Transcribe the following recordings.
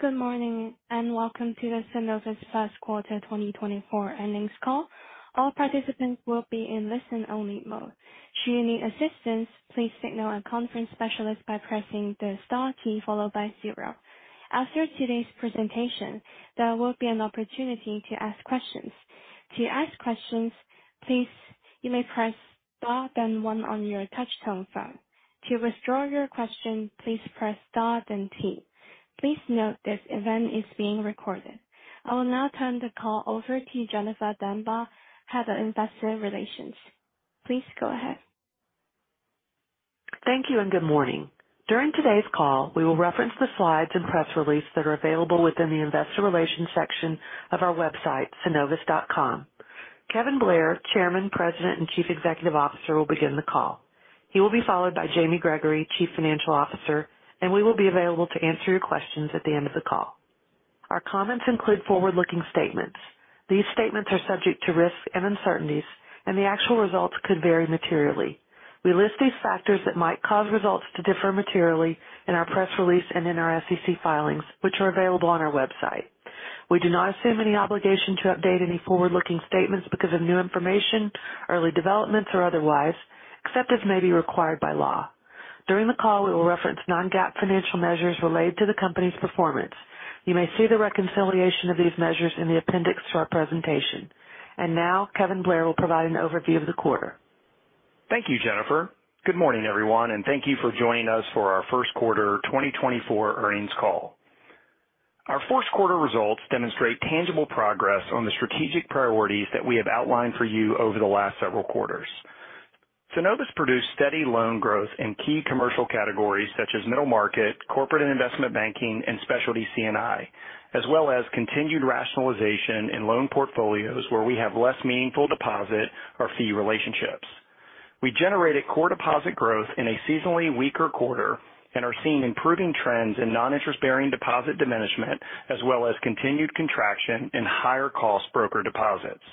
Good morning and welcome to the Synovus First Quarter 2024 earnings call. All participants will be in listen-only mode. Should you need assistance, please signal a conference specialist by pressing the star key followed by 0. After today's presentation, there will be an opportunity to ask questions. To ask questions, please you may press star then 1 on your touchscreen phone. To withdraw your question, please press star then T. Please note this event is being recorded. I will now turn the call over to Jennifer Demba, Head of Investor Relations. Please go ahead. Thank you and good morning. During today's call, we will reference the slides and press release that are available within the Investor Relations section of our website, synovus.com. Kevin Blair, Chairman, President, and Chief Executive Officer will begin the call. He will be followed by Jamie Gregory, Chief Financial Officer, and we will be available to answer your questions at the end of the call. Our comments include forward-looking statements. These statements are subject to risk and uncertainties, and the actual results could vary materially. We list these factors that might cause results to differ materially in our press release and in our SEC filings, which are available on our website. We do not assume any obligation to update any forward-looking statements because of new information, early developments, or otherwise, except as may be required by law. During the call, we will reference non-GAAP financial measures related to the company's performance. You may see the reconciliation of these measures in the appendix to our presentation. Now, Kevin Blair will provide an overview of the quarter. Thank you, Jennifer. Good morning, everyone, and thank you for joining us for our First Quarter 2024 earnings call. Our Fourth Quarter results demonstrate tangible progress on the strategic priorities that we have outlined for you over the last several quarters. Synovus produced steady loan growth in key commercial categories such as middle market, corporate and investment banking, and Specialty C&I, as well as continued rationalization in loan portfolios where we have less meaningful deposit or fee relationships. We generated core deposit growth in a seasonally weaker quarter and are seeing improving trends in non-interest-bearing deposit diminishment, as well as continued contraction in higher-cost broker deposits.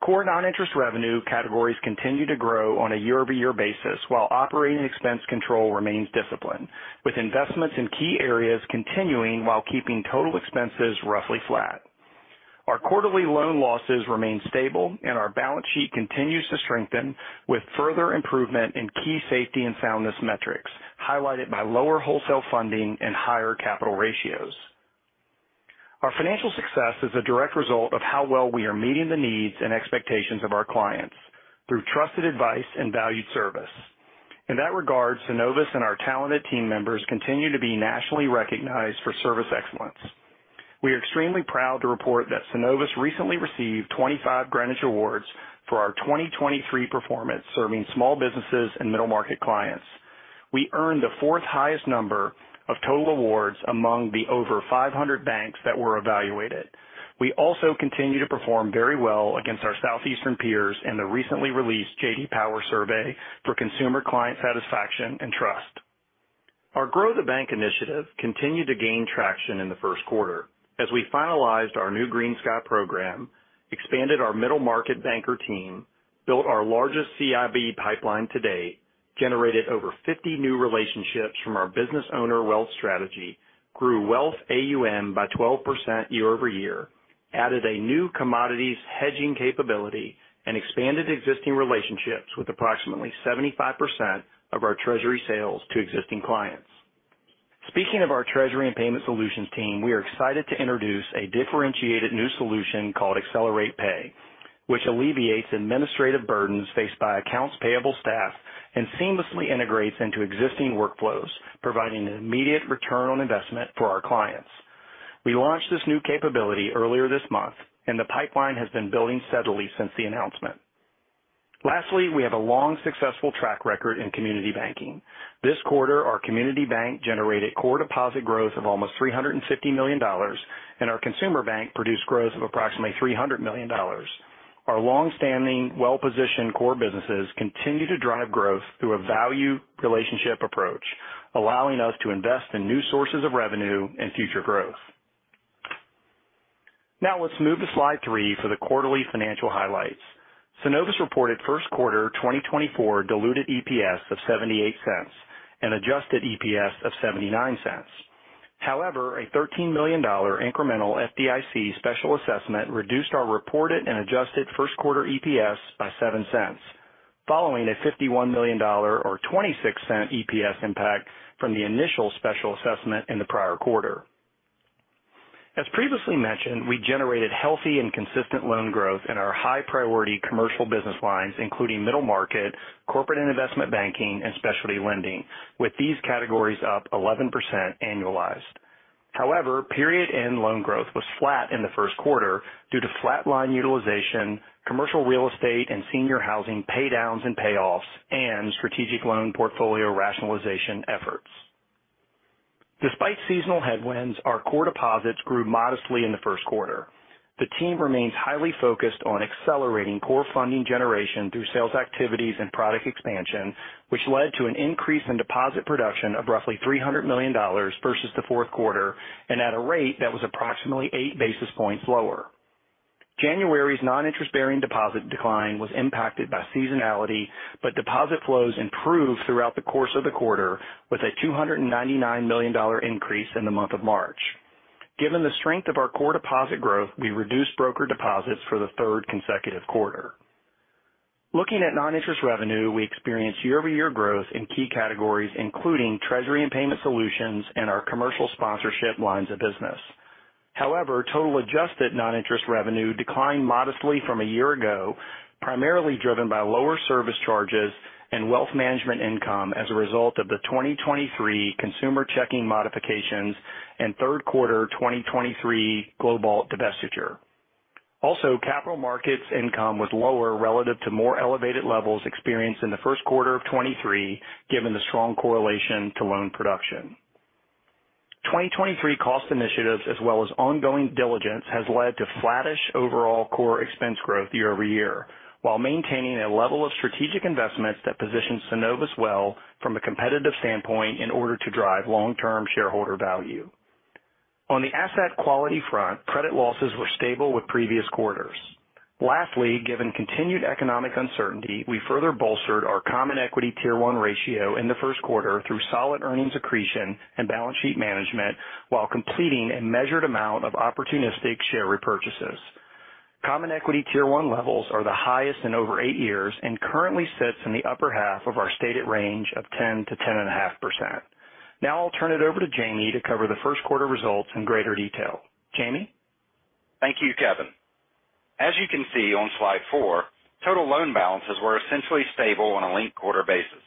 Core non-interest revenue categories continue to grow on a year-over-year basis while operating expense control remains disciplined, with investments in key areas continuing while keeping total expenses roughly flat. Our quarterly loan losses remain stable, and our balance sheet continues to strengthen with further improvement in key safety and soundness metrics highlighted by lower wholesale funding and higher capital ratios. Our financial success is a direct result of how well we are meeting the needs and expectations of our clients through trusted advice and valued service. In that regard, Synovus and our talented team members continue to be nationally recognized for service excellence. We are extremely proud to report that Synovus recently received 25 Greenwich Awards for our 2023 performance serving small businesses and middle market clients. We earned the fourth highest number of total awards among the over 500 banks that were evaluated. We also continue to perform very well against our Southeastern peers in the recently released J.D. Power Survey for Consumer Client Satisfaction and Trust. Our Grow the Bank initiative continued to gain traction in the first quarter as we finalized our new GreenSky Program, expanded our middle market banker team, built our largest CIB pipeline to date, generated over 50 new relationships from our Business Owner Wealth Strategy, grew wealth AUM by 12% year-over-year, added a new commodities hedging capability, and expanded existing relationships with approximately 75% of our treasury sales to existing clients. Speaking of our treasury and payment solutions team, we are excited to introduce a differentiated new solution called Accelerate Pay, which alleviates administrative burdens faced by accounts payable staff and seamlessly integrates into existing workflows, providing an immediate return on investment for our clients. We launched this new capability earlier this month, and the pipeline has been building steadily since the announcement. Lastly, we have a long successful track record in community banking. This quarter, our community bank generated core deposit growth of almost $350 million, and our consumer bank produced growth of approximately $300 million. Our longstanding, well-positioned core businesses continue to drive growth through a value relationship approach, allowing us to invest in new sources of revenue and future growth. Now let's move to slide three for the quarterly financial highlights. Synovus reported First Quarter 2024 diluted EPS of 0.78 and adjusted EPS of 0.79. However, a $13 million incremental FDIC special assessment reduced our reported and adjusted First Quarter EPS by 0.07, following a $51 million or 0.26 EPS impact from the initial special assessment in the prior quarter. As previously mentioned, we generated healthy and consistent loan growth in our high-priority commercial business lines, including middle market, corporate and investment banking, and Specialty lending, with these categories up 11% annualized. However, period-end loan growth was flat in the first quarter due to flat-line utilization, commercial real estate and senior housing paydowns and payoffs, and strategic loan portfolio rationalization efforts. Despite seasonal headwinds, our core deposits grew modestly in the first quarter. The team remains highly focused on accelerating core funding generation through sales activities and product expansion, which led to an increase in deposit production of roughly $300 million versus the fourth quarter and at a rate that was approximately eight basis points lower. January's non-interest-bearing deposit decline was impacted by seasonality, but deposit flows improved throughout the course of the quarter with a $299 million increase in the month of March. Given the strength of our core deposit growth, we reduced broker deposits for the third consecutive quarter. Looking at non-interest revenue, we experienced year-over-year growth in key categories, including treasury and payment solutions and our commercial sponsorship lines of business. However, total adjusted non-interest revenue declined modestly from a year ago, primarily driven by lower service charges and wealth management income as a result of the 2023 consumer checking modifications and Third Quarter 2023 Globalt divestiture. Also, capital markets income was lower relative to more elevated levels experienced in the first quarter of 2023, given the strong correlation to loan production. 2023 cost initiatives, as well as ongoing diligence, have led to flattish overall core expense growth year-over-year, while maintaining a level of strategic investments that positioned Synovus well from a competitive standpoint in order to drive long-term shareholder value. On the asset quality front, credit losses were stable with previous quarters. Lastly, given continued economic uncertainty, we further bolstered our Common Equity Tier 1 ratio in the first quarter through solid earnings accretion and balance sheet management while completing a measured amount of opportunistic share repurchases. Common Equity Tier 1 levels are the highest in over eight years and currently sit in the upper half of our stated range of 10%-10.5%. Now I'll turn it over to Jamie to cover the First Quarter results in greater detail. Jamie? Thank you, Kevin. As you can see on slide 4, total loan balances were essentially stable on a linked quarter basis.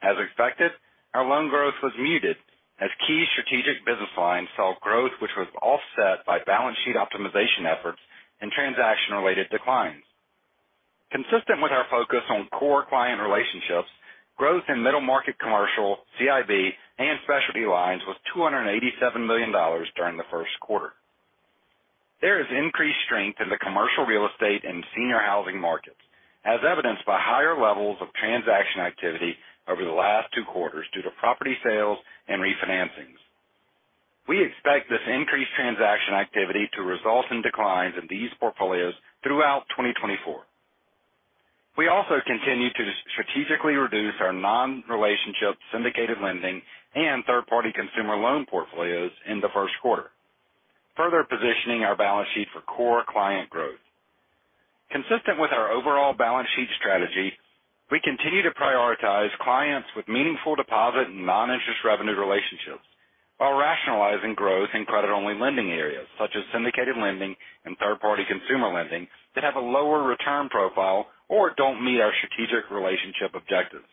As expected, our loan growth was muted as key strategic business lines saw growth which was offset by balance sheet optimization efforts and transaction-related declines. Consistent with our focus on core client relationships, growth in middle market commercial, CIB, and Specialty lines was $287 million during the first quarter. There is increased strength in the commercial real estate and senior housing markets, as evidenced by higher levels of transaction activity over the last two quarters due to property sales and refinancings. We expect this increased transaction activity to result in declines in these portfolios throughout 2024. We also continue to strategically reduce our non-relationship syndicated lending and third-party consumer loan portfolios in the first quarter, further positioning our balance sheet for core client growth. Consistent with our overall balance sheet strategy, we continue to prioritize clients with meaningful deposit and non-interest revenue relationships while rationalizing growth in credit-only lending areas such as syndicated lending and third-party consumer lending that have a lower return profile or don't meet our strategic relationship objectives.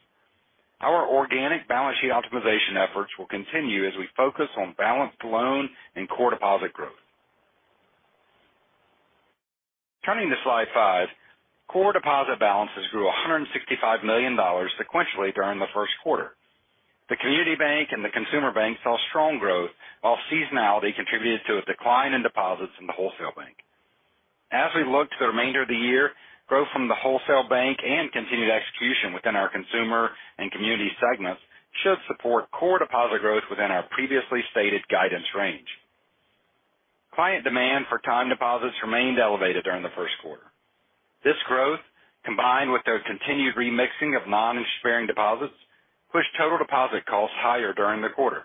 Our organic balance sheet optimization efforts will continue as we focus on balanced loan and core deposit growth. Turning to slide 5, core deposit balances grew $165 million sequentially during the first quarter. The community bank and the consumer bank saw strong growth while seasonality contributed to a decline in deposits in the wholesale bank. As we look to the remainder of the year, growth from the wholesale bank and continued execution within our consumer and community segments should support core deposit growth within our previously stated guidance range. Client demand for time deposits remained elevated during the first quarter. This growth, combined with their continued remixing of non-interest-bearing deposits, pushed total deposit costs higher during the quarter.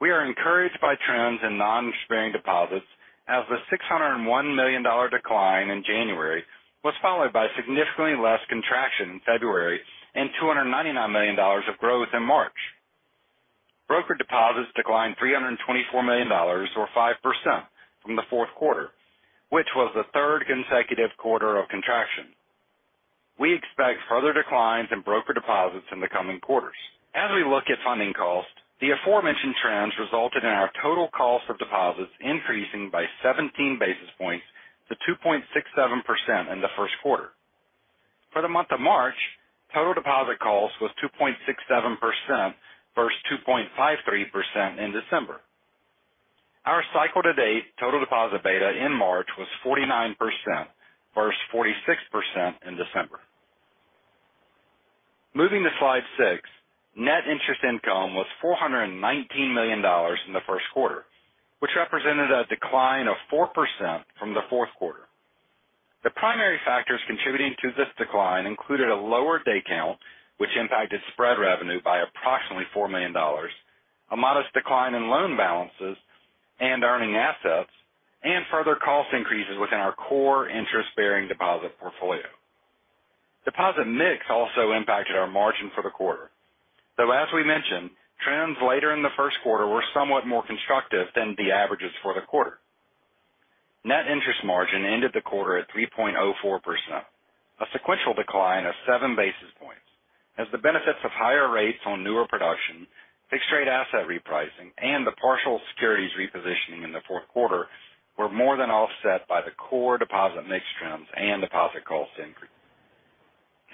We are encouraged by trends in non-interest-bearing deposits as the $601 million decline in January was followed by significantly less contraction in February and $299 million of growth in March. Broker deposits declined $324 million or 5% from the fourth quarter, which was the third consecutive quarter of contraction. We expect further declines in broker deposits in the coming quarters. As we look at funding costs, the aforementioned trends resulted in our total cost of deposits increasing by 17 basis points to 2.67% in the first quarter. For the month of March, total deposit cost was 2.67% versus 2.53% in December. Our cycle-to-date total deposit beta in March was 49% versus 46% in December. Moving to slide six, net interest income was $419 million in the first quarter, which represented a decline of 4% from the fourth quarter. The primary factors contributing to this decline included a lower day count, which impacted spread revenue by approximately $4 million, a modest decline in loan balances and earning assets, and further cost increases within our core interest-bearing deposit portfolio. Deposit mix also impacted our margin for the quarter. Though, as we mentioned, trends later in the first quarter were somewhat more constructive than the averages for the quarter. Net interest margin ended the quarter at 3.04%, a sequential decline of seven basis points, as the benefits of higher rates on newer production, fixed-rate asset repricing, and the partial securities repositioning in the fourth quarter were more than offset by the core deposit mix trends and deposit cost increase.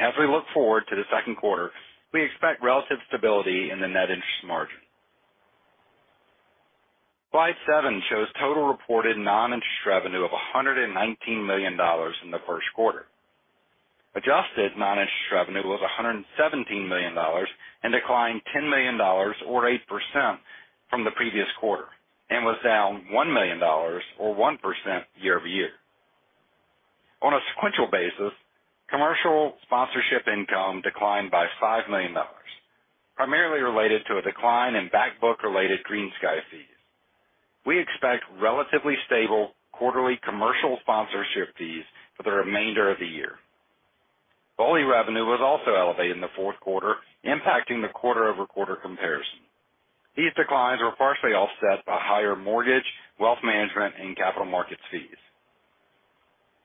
As we look forward to the second quarter, we expect relative stability in the net interest margin. Slide seven shows total reported non-interest revenue of $119 million in the first quarter. Adjusted non-interest revenue was $117 million and declined $10 million or 8% from the previous quarter and was down $1 million or 1% year-over-year. On a sequential basis, commercial sponsorship income declined by $5 million, primarily related to a decline in backbook-related GreenSky fees. We expect relatively stable quarterly commercial sponsorship fees for the remainder of the year. Royalty revenue was also elevated in the fourth quarter, impacting the quarter-over-quarter comparison. These declines were partially offset by higher mortgage, wealth management, and capital markets fees.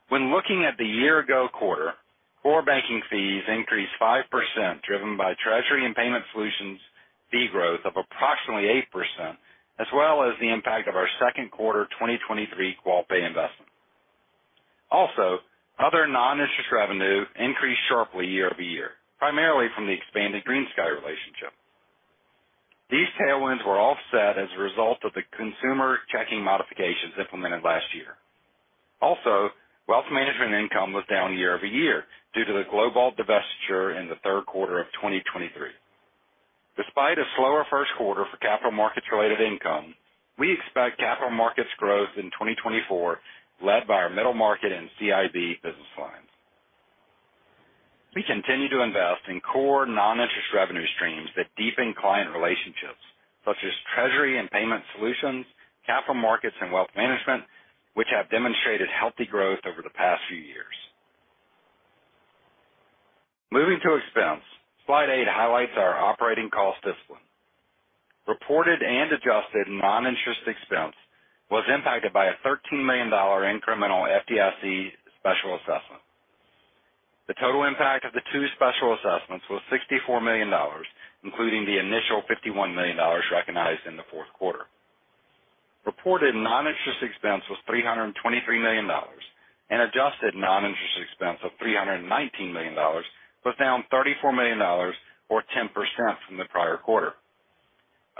When looking at the year-ago quarter, core banking fees increased 5% driven by treasury and payment solutions fee growth of approximately 8%, as well as the impact of our second quarter 2023 Qualpay investment. Also, other non-interest revenue increased sharply year over year, primarily from the expanded GreenSky relationship. These tailwinds were offset as a result of the consumer checking modifications implemented last year. Also, wealth management income was down year over year due to the Globalt divestiture in the third quarter of 2023. Despite a slower first quarter for capital markets-related income, we expect capital markets growth in 2024 led by our middle market and CIB business lines. We continue to invest in core non-interest revenue streams that deepen client relationships, such as treasury and payment solutions, capital markets, and wealth management, which have demonstrated healthy growth over the past few years. Moving to expense, slide eight highlights our operating cost discipline. Reported and adjusted non-interest expense was impacted by a $13 million incremental FDIC special assessment. The total impact of the two special assessments was $64 million, including the initial $51 million recognized in the fourth quarter. Reported non-interest expense was $323 million, and adjusted non-interest expense of $319 million was down $34 million or 10% from the prior quarter.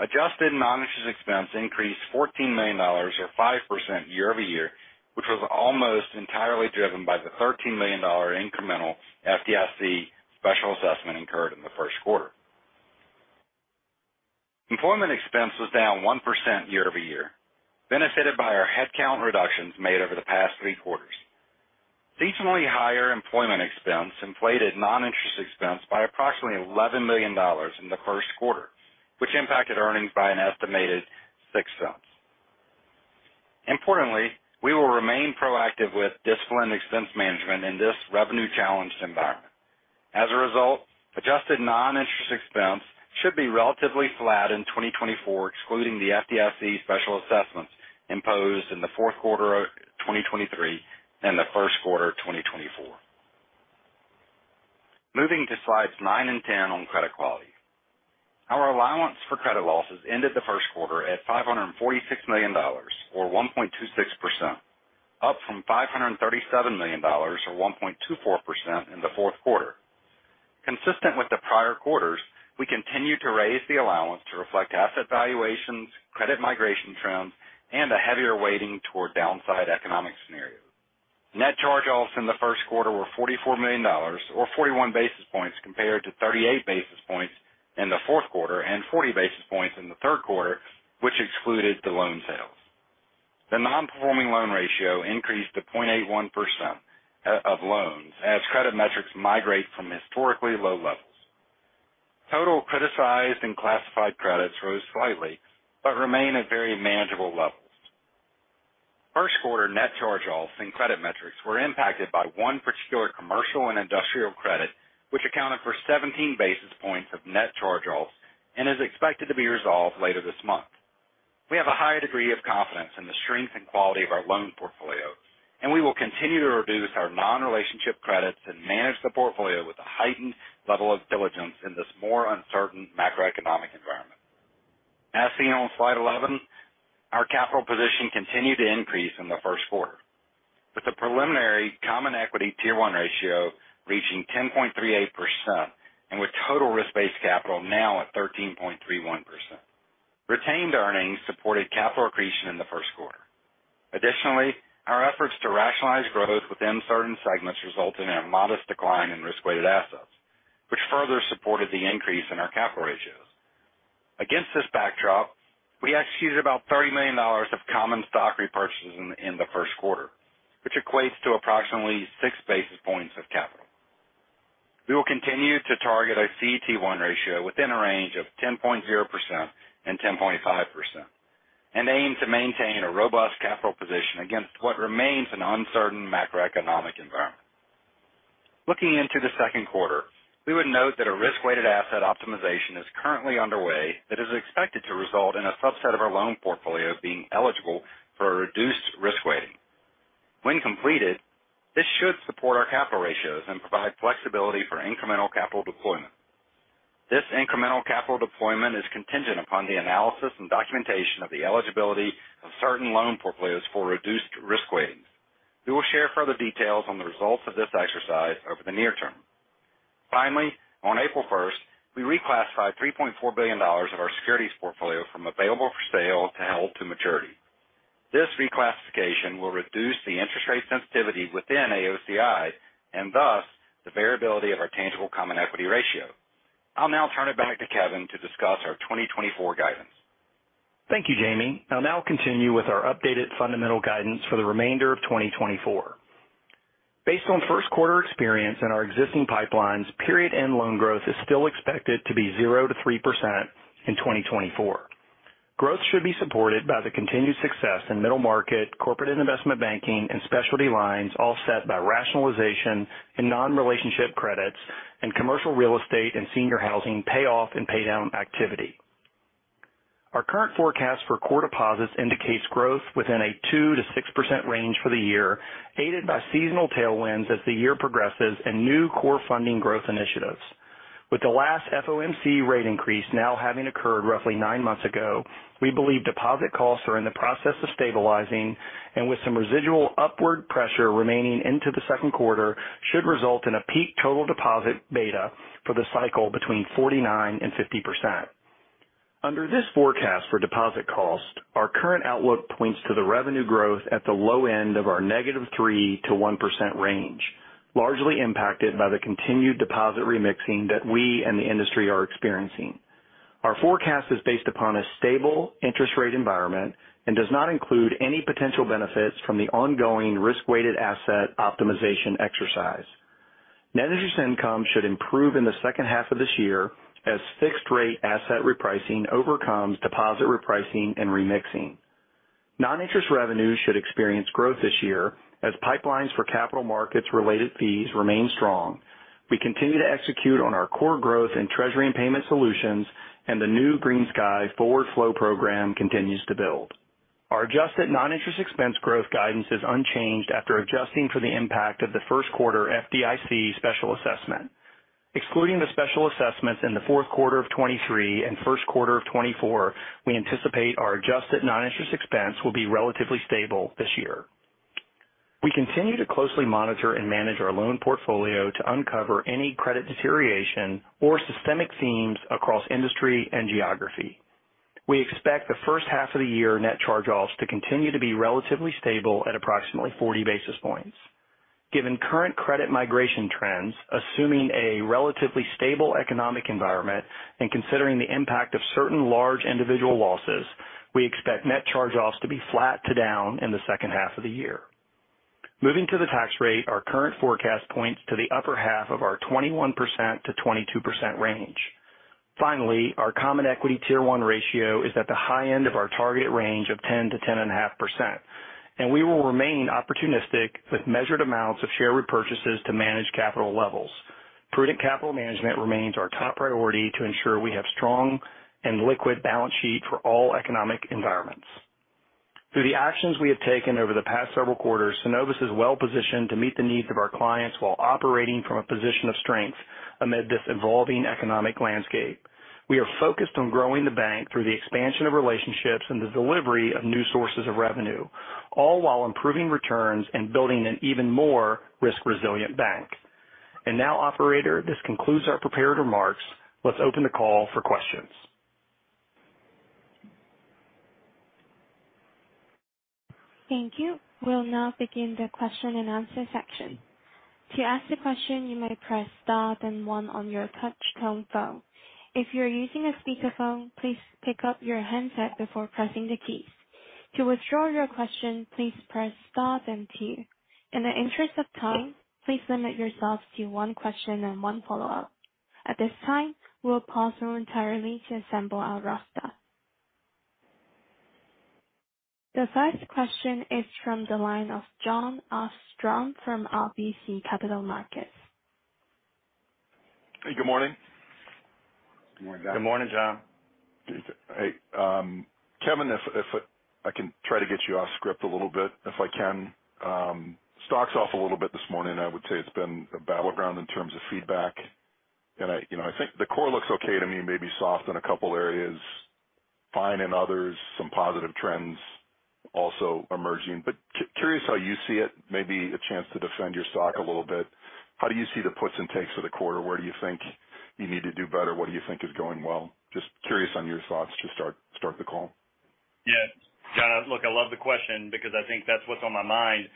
Adjusted non-interest expense increased $14 million or 5% year-over-year, which was almost entirely driven by the $13 million incremental FDIC special assessment incurred in the first quarter. Employment expense was down 1% year-over-year, benefited by our headcount reductions made over the past three quarters. Seasonally higher employment expense inflated non-interest expense by approximately $11 million in the first quarter, which impacted earnings by an estimated $0.06. Importantly, we will remain proactive with disciplined expense management in this revenue-challenged environment. As a result, adjusted non-interest expense should be relatively flat in 2024, excluding the FDIC special assessments imposed in the fourth quarter of 2023 and the first quarter of 2024. Moving to slides 9 and 10 on credit quality. Our allowance for credit losses ended the first quarter at $546 million or 1.26%, up from $537 million or 1.24% in the fourth quarter. Consistent with the prior quarters, we continue to raise the allowance to reflect asset valuations, credit migration trends, and a heavier weighting toward downside economic scenarios. Net charge-offs in the first quarter were $44 million or 41 basis points compared to 38 basis points in the fourth quarter and 40 basis points in the third quarter, which excluded the loan sales. The non-performing loan ratio increased to 0.81% of loans as credit metrics migrate from historically low levels. Total criticized and classified credits rose slightly but remain at very manageable levels. First quarter net charge offs in credit metrics were impacted by one particular commercial and industrial credit, which accounted for 17 basis points of net charge offs and is expected to be resolved later this month. We have a higher degree of confidence in the strength and quality of our loan portfolio, and we will continue to reduce our non-relationship credits and manage the portfolio with a heightened level of diligence in this more uncertain macroeconomic environment. As seen on slide 11, our capital position continued to increase in the first quarter, with the preliminary Common Equity Tier 1 ratio reaching 10.38% and with total risk-based capital now at 13.31%. Retained earnings supported capital accretion in the first quarter. Additionally, our efforts to rationalize growth within certain segments resulted in a modest decline in risk-weighted assets, which further supported the increase in our capital ratios. Against this backdrop, we executed about $30 million of common stock repurchases in the first quarter, which equates to approximately six basis points of capital. We will continue to target a CET1 ratio within a range of 10.0%-10.5% and aim to maintain a robust capital position against what remains an uncertain macroeconomic environment. Looking into the second quarter, we would note that a risk-weighted asset optimization is currently underway that is expected to result in a subset of our loan portfolio being eligible for a reduced risk weighting. When completed, this should support our capital ratios and provide flexibility for incremental capital deployment. This incremental capital deployment is contingent upon the analysis and documentation of the eligibility of certain loan portfolios for reduced risk weightings. We will share further details on the results of this exercise over the near term. Finally, on April 1st, we reclassified $3.4 billion of our securities portfolio from available for sale to held to maturity. This reclassification will reduce the interest rate sensitivity within AOCI and thus the variability of our tangible common equity ratio. I'll now turn it back to Kevin to discuss our 2024 guidance. Thank you, Jamie. I'll now continue with our updated fundamental guidance for the remainder of 2024. Based on first quarter experience and our existing pipelines, period-end loan growth is still expected to be 0%-3% in 2024. Growth should be supported by the continued success in middle market, corporate and investment banking, and Specialty lines offset by rationalization and non-relationship credits and commercial real estate and senior housing payoff and paydown activity. Our current forecast for core deposits indicates growth within a 2%-6% range for the year, aided by seasonal tailwinds as the year progresses and new core funding growth initiatives. With the last FOMC rate increase now having occurred roughly 9 months ago, we believe deposit costs are in the process of stabilizing, and with some residual upward pressure remaining into the second quarter, should result in a peak total deposit beta for the cycle between 49% and 50%. Under this forecast for deposit cost, our current outlook points to the revenue growth at the low end of our negative 3%-1% range, largely impacted by the continued deposit remixing that we and the industry are experiencing. Our forecast is based upon a stable interest rate environment and does not include any potential benefits from the ongoing risk-weighted asset optimization exercise. Net interest income should improve in the second half of this year as fixed-rate asset repricing overcomes deposit repricing and remixing. Non-interest revenue should experience growth this year as pipelines for capital markets-related fees remain strong. We continue to execute on our core growth in treasury and payment solutions, and the new GreenSky forward flow program continues to build. Our adjusted non-interest expense growth guidance is unchanged after adjusting for the impact of the first quarter FDIC special assessment. Excluding the special assessments in the fourth quarter of 2023 and first quarter of 2024, we anticipate our adjusted non-interest expense will be relatively stable this year. We continue to closely monitor and manage our loan portfolio to uncover any credit deterioration or systemic themes across industry and geography. We expect the first half of the year net charge offs to continue to be relatively stable at approximately 40 basis points. Given current credit migration trends, assuming a relatively stable economic environment and considering the impact of certain large individual losses, we expect net charge-offs to be flat to down in the second half of the year. Moving to the tax rate, our current forecast points to the upper half of our 21%-22% range. Finally, our Common Equity Tier 1 ratio is at the high end of our target range of 10%-10.5%, and we will remain opportunistic with measured amounts of share repurchases to manage capital levels. Prudent capital management remains our top priority to ensure we have strong and liquid balance sheet for all economic environments. Through the actions we have taken over the past several quarters, Synovus is well positioned to meet the needs of our clients while operating from a position of strength amid this evolving economic landscape. We are focused on growing the bank through the expansion of relationships and the delivery of new sources of revenue, all while improving returns and building an even more risk-resilient bank. And now, operator, this concludes our prepared remarks. Let's open the call for questions. Thank you. We'll now begin the question and answer section. To ask a question, you may press star then one on your touch-tone phone. If you're using a speakerphone, please pick up your handset before pressing the keys. To withdraw your question, please press star then two. In the interest of time, please limit yourself to one question and one follow-up. At this time, we'll pause entirely to assemble our roster. The first question is from the line of Jon Arfstrom from RBC Capital Markets. Hey, good morning. Good morning, Jon. Good morning, Jon. Hey, Kevin, if I can try to get you off script a little bit, if I can. Stocks off a little bit this morning. I would say it's been a battleground in terms of feedback, and I think the core looks okay to me, maybe soft in a couple areas, fine in others, some positive trends also emerging. But curious how you see it, maybe a chance to defend your stock a little bit. How do you see the puts and takes of the quarter? Where do you think you need to do better? What do you think is going well? Just curious on your thoughts to start the call. Yeah, Jon, look, I love the question because I think that's what's on my mind.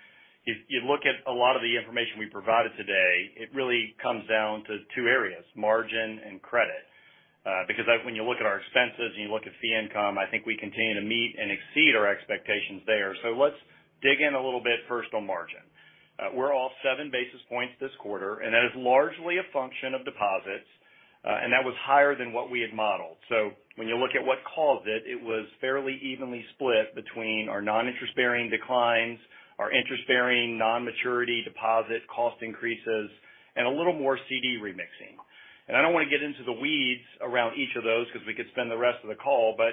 If you look at a lot of the information we provided today, it really comes down to two areas, margin and credit. Because when you look at our expenses and you look at fee income, I think we continue to meet and exceed our expectations there. So let's dig in a little bit first on margin. We're off 7 basis points this quarter, and that is largely a function of deposits, and that was higher than what we had modeled. So when you look at what caused it, it was fairly evenly split between our non-interest bearing declines, our interest bearing non-maturity deposit cost increases, and a little more CD remixing. I don't want to get into the weeds around each of those because we could spend the rest of the call, but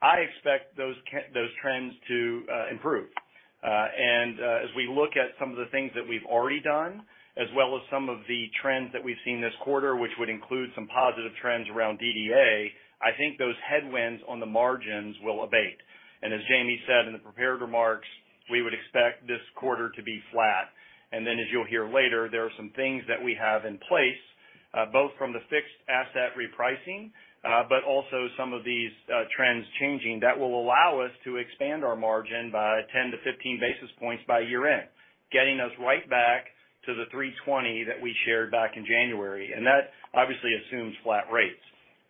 I expect those trends to improve. As we look at some of the things that we've already done, as well as some of the trends that we've seen this quarter, which would include some positive trends around DDA, I think those headwinds on the margins will abate. As Jamie said in the prepared remarks, we would expect this quarter to be flat. Then, as you'll hear later, there are some things that we have in place, both from the fixed asset repricing but also some of these trends changing that will allow us to expand our margin by 10-15 basis points by year-end, getting us right back to the 320 that we shared back in January. That obviously assumes flat rates.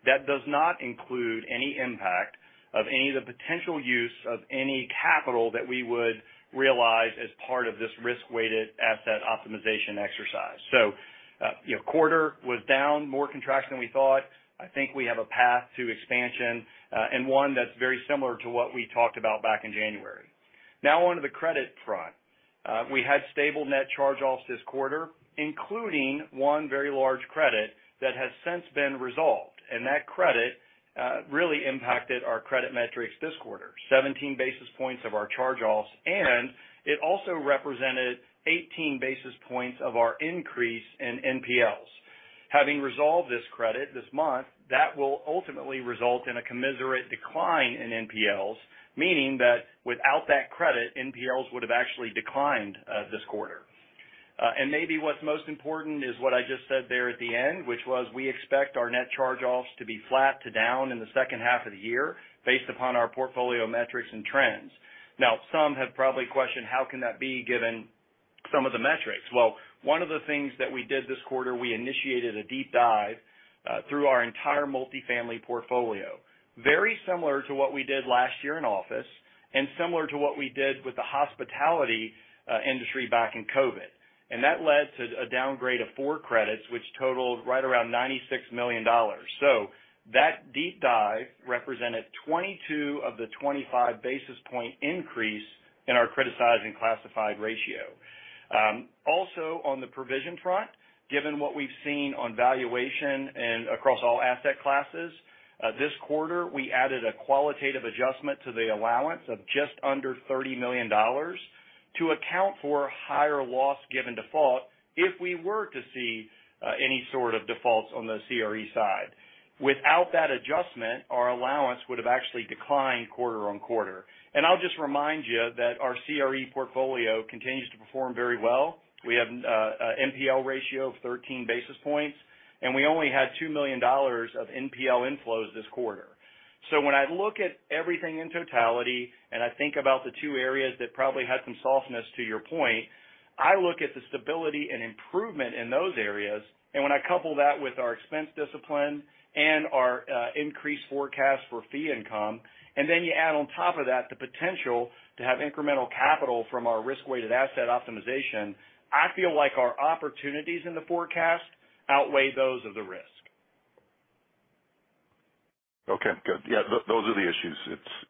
That does not include any impact of any of the potential use of any capital that we would realize as part of this risk-weighted asset optimization exercise. So quarter was down, more contraction than we thought. I think we have a path to expansion and one that's very similar to what we talked about back in January. Now, onto the credit front. We had stable net charge offs this quarter, including one very large credit that has since been resolved. And that credit really impacted our credit metrics this quarter, 17 basis points of our charge offs, and it also represented 18 basis points of our increase in NPLs. Having resolved this credit this month, that will ultimately result in a commensurate decline in NPLs, meaning that without that credit, NPLs would have actually declined this quarter. Maybe what's most important is what I just said there at the end, which was we expect our net charge-offs to be flat to down in the second half of the year based upon our portfolio metrics and trends. Now, some have probably questioned, "How can that be given some of the metrics?" Well, one of the things that we did this quarter, we initiated a deep dive through our entire multifamily portfolio, very similar to what we did last year in office and similar to what we did with the hospitality industry back in COVID. And that led to a downgrade of 4 credits, which totaled right around $96 million. So that deep dive represented 22 of the 25 basis point increase in our criticized and classified ratio. Also, on the provision front, given what we've seen on valuation and across all asset classes, this quarter, we added a qualitative adjustment to the allowance of just under $30 million to account for higher loss given default if we were to see any sort of defaults on the CRE side. Without that adjustment, our allowance would have actually declined quarter-over-quarter. I'll just remind you that our CRE portfolio continues to perform very well. We have an NPL ratio of 13 basis points, and we only had $2 million of NPL inflows this quarter. So when I look at everything in totality and I think about the two areas that probably had some softness to your point, I look at the stability and improvement in those areas. When I couple that with our expense discipline and our increased forecast for fee income, and then you add on top of that the potential to have incremental capital from our risk-weighted asset optimization, I feel like our opportunities in the forecast outweigh those of the risk. Okay, good. Yeah, those are the issues.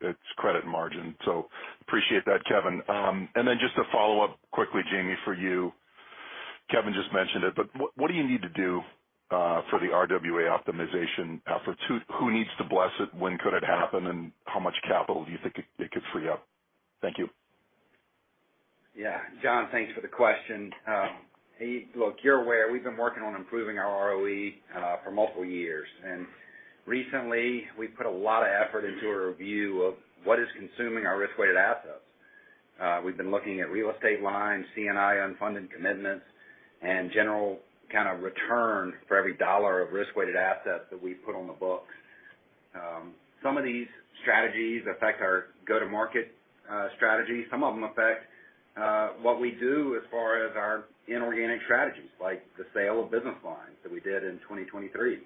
It's credit and margin. So appreciate that, Kevin. And then just to follow up quickly, Jamie, for you. Kevin just mentioned it, but what do you need to do for the RWA optimization effort? Who needs to bless it? When could it happen? And how much capital do you think it could free up? Thank you. Yeah, Jon, thanks for the question. Hey, look, you're aware, we've been working on improving our ROE for multiple years. Recently, we put a lot of effort into a review of what is consuming our risk-weighted assets. We've been looking at real estate lines, C&I unfunded commitments, and general kind of return for every dollar of risk-weighted assets that we put on the books. Some of these strategies affect our go-to-market strategy. Some of them affect what we do as far as our inorganic strategies, like the sale of business lines that we did in 2023.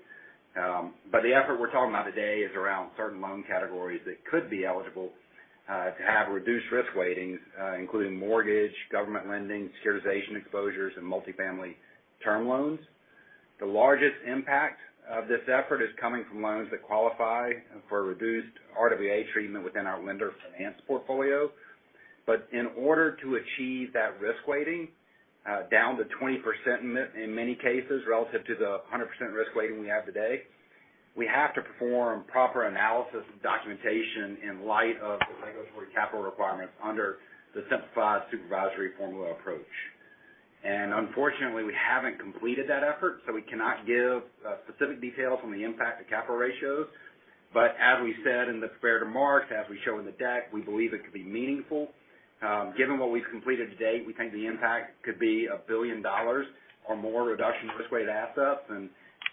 But the effort we're talking about today is around certain loan categories that could be eligible to have reduced risk weightings, including mortgage, government lending, securitization exposures, and multifamily term loans. The largest impact of this effort is coming from loans that qualify for reduced RWA treatment within our lender finance portfolio. But in order to achieve that risk weighting down to 20% in many cases relative to the 100% risk weighting we have today, we have to perform proper analysis and documentation in light of the regulatory capital requirements under the Simplified Supervisory Formula Approach. Unfortunately, we haven't completed that effort, so we cannot give specific details on the impact of capital ratios. As we said in the prepared remarks, as we show in the deck, we believe it could be meaningful. Given what we've completed to date, we think the impact could be $1 billion or more reduction in risk-weighted assets, and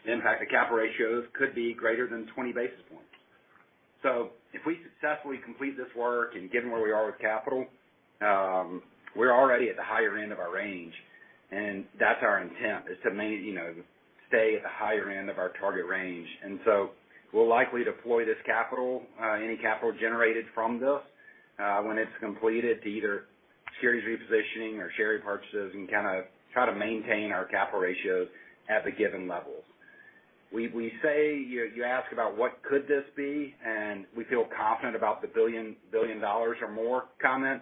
the impact of capital ratios could be greater than 20 basis points. If we successfully complete this work and given where we are with capital, we're already at the higher end of our range. That's our intent, is to stay at the higher end of our target range. So we'll likely deploy this capital, any capital generated from this, when it's completed to either series repositioning or share repurchases and kind of try to maintain our capital ratios at the given levels. We say you ask about what could this be, and we feel confident about the $1 billion or more comment.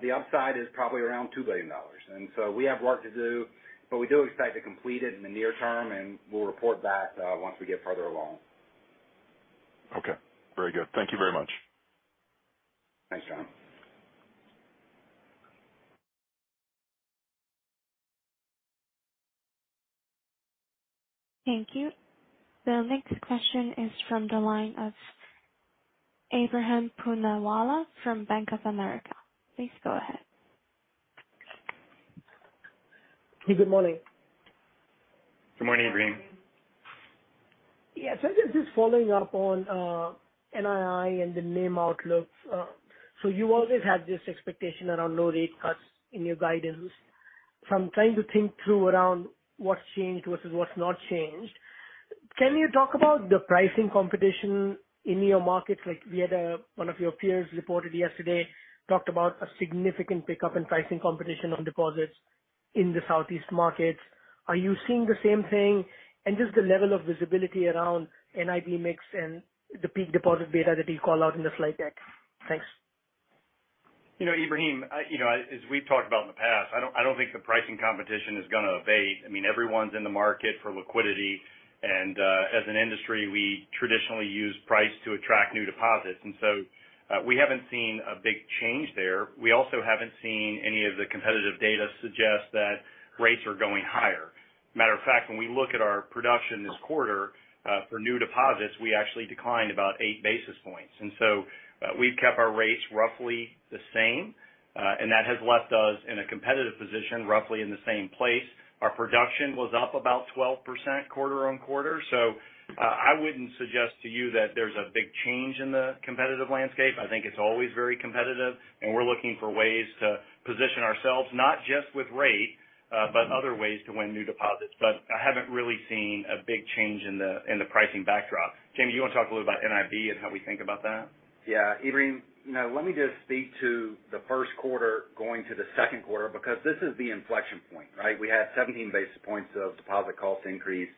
The upside is probably around $2 billion. So we have work to do, but we do expect to complete it in the near term, and we'll report back once we get further along. Okay, very good. Thank you very much. Thanks, Jon. Thank you. The next question is from the line of Ebrahim Poonawala from Bank of America. Please go ahead. Hey, good morning. Good morning, Ebrahim. Yeah, so I'm just following up on NII and the NIM outlook. So you always had this expectation around low rate cuts in your guidance. From trying to think through around what's changed versus what's not changed, can you talk about the pricing competition in your markets? We had one of your peers reported yesterday, talked about a significant pickup in pricing competition on deposits in the Southeast markets. Are you seeing the same thing? And just the level of visibility around NIM mix and the peak deposit beta that you call out in the slide deck. Thanks. Ebrahim, as we've talked about in the past, I don't think the pricing competition is going to abate. I mean, everyone's in the market for liquidity. And as an industry, we traditionally use price to attract new deposits. And so we haven't seen a big change there. We also haven't seen any of the competitive data suggest that rates are going higher. Matter of fact, when we look at our production this quarter for new deposits, we actually declined about eight basis points. And so we've kept our rates roughly the same, and that has left us in a competitive position roughly in the same place. Our production was up about 12% quarter-over-quarter. So I wouldn't suggest to you that there's a big change in the competitive landscape. I think it's always very competitive, and we're looking for ways to position ourselves, not just with rate, but other ways to win new deposits. But I haven't really seen a big change in the pricing backdrop. Jamie, you want to talk a little bit about NII and how we think about that? Yeah, Ebrahim, let me just speak to the first quarter going to the second quarter because this is the inflection point, right? We had 17 basis points of deposit cost increase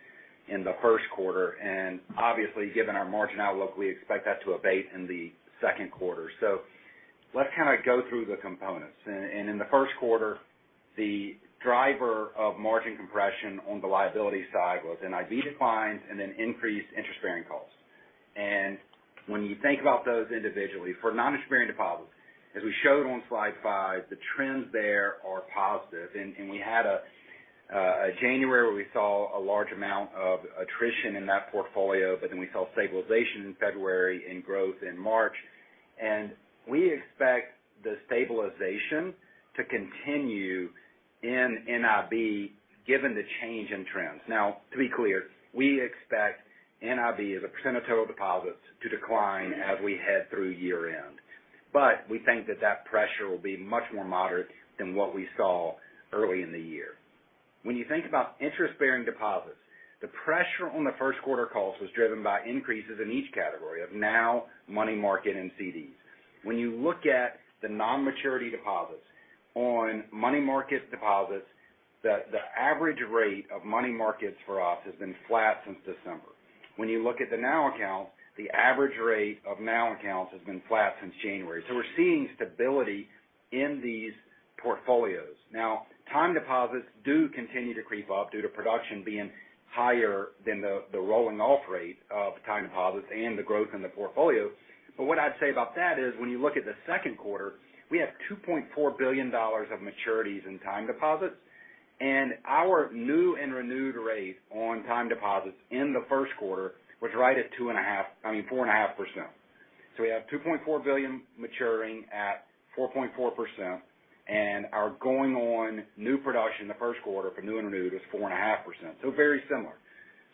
in the first quarter. And obviously, given our margin outlook, we expect that to abate in the second quarter. So let's kind of go through the components. And in the first quarter, the driver of margin compression on the liability side was NIB declines and then increased interest bearing costs. And when you think about those individually, for non-interest bearing deposits, as we showed on slide 5, the trends there are positive. And we had a January where we saw a large amount of attrition in that portfolio, but then we saw stabilization in February and growth in March. And we expect the stabilization to continue in NIB given the change in trends. Now, to be clear, we expect NIB, as a % of total deposits, to decline as we head through year-end. But we think that that pressure will be much more moderate than what we saw early in the year. When you think about interest bearing deposits, the pressure on the first quarter costs was driven by increases in each category of NOW money market and CDs. When you look at the non-maturity deposits, on money market deposits, the average rate of money markets for us has been flat since December. When you look at the NOW accounts, the average rate of NOW accounts has been flat since January. So we're seeing stability in these portfolios. Now, time deposits do continue to creep up due to production being higher than the rolling-off rate of time deposits and the growth in the portfolio. But what I'd say about that is when you look at the second quarter, we have $2.4 billion of maturities in time deposits. And our new and renewed rate on time deposits in the first quarter was right at 2.5, I mean, 4.5%. So we have $2.4 billion maturing at 4.4%. And our going-on new production the first quarter for new and renewed was 4.5%. So very similar.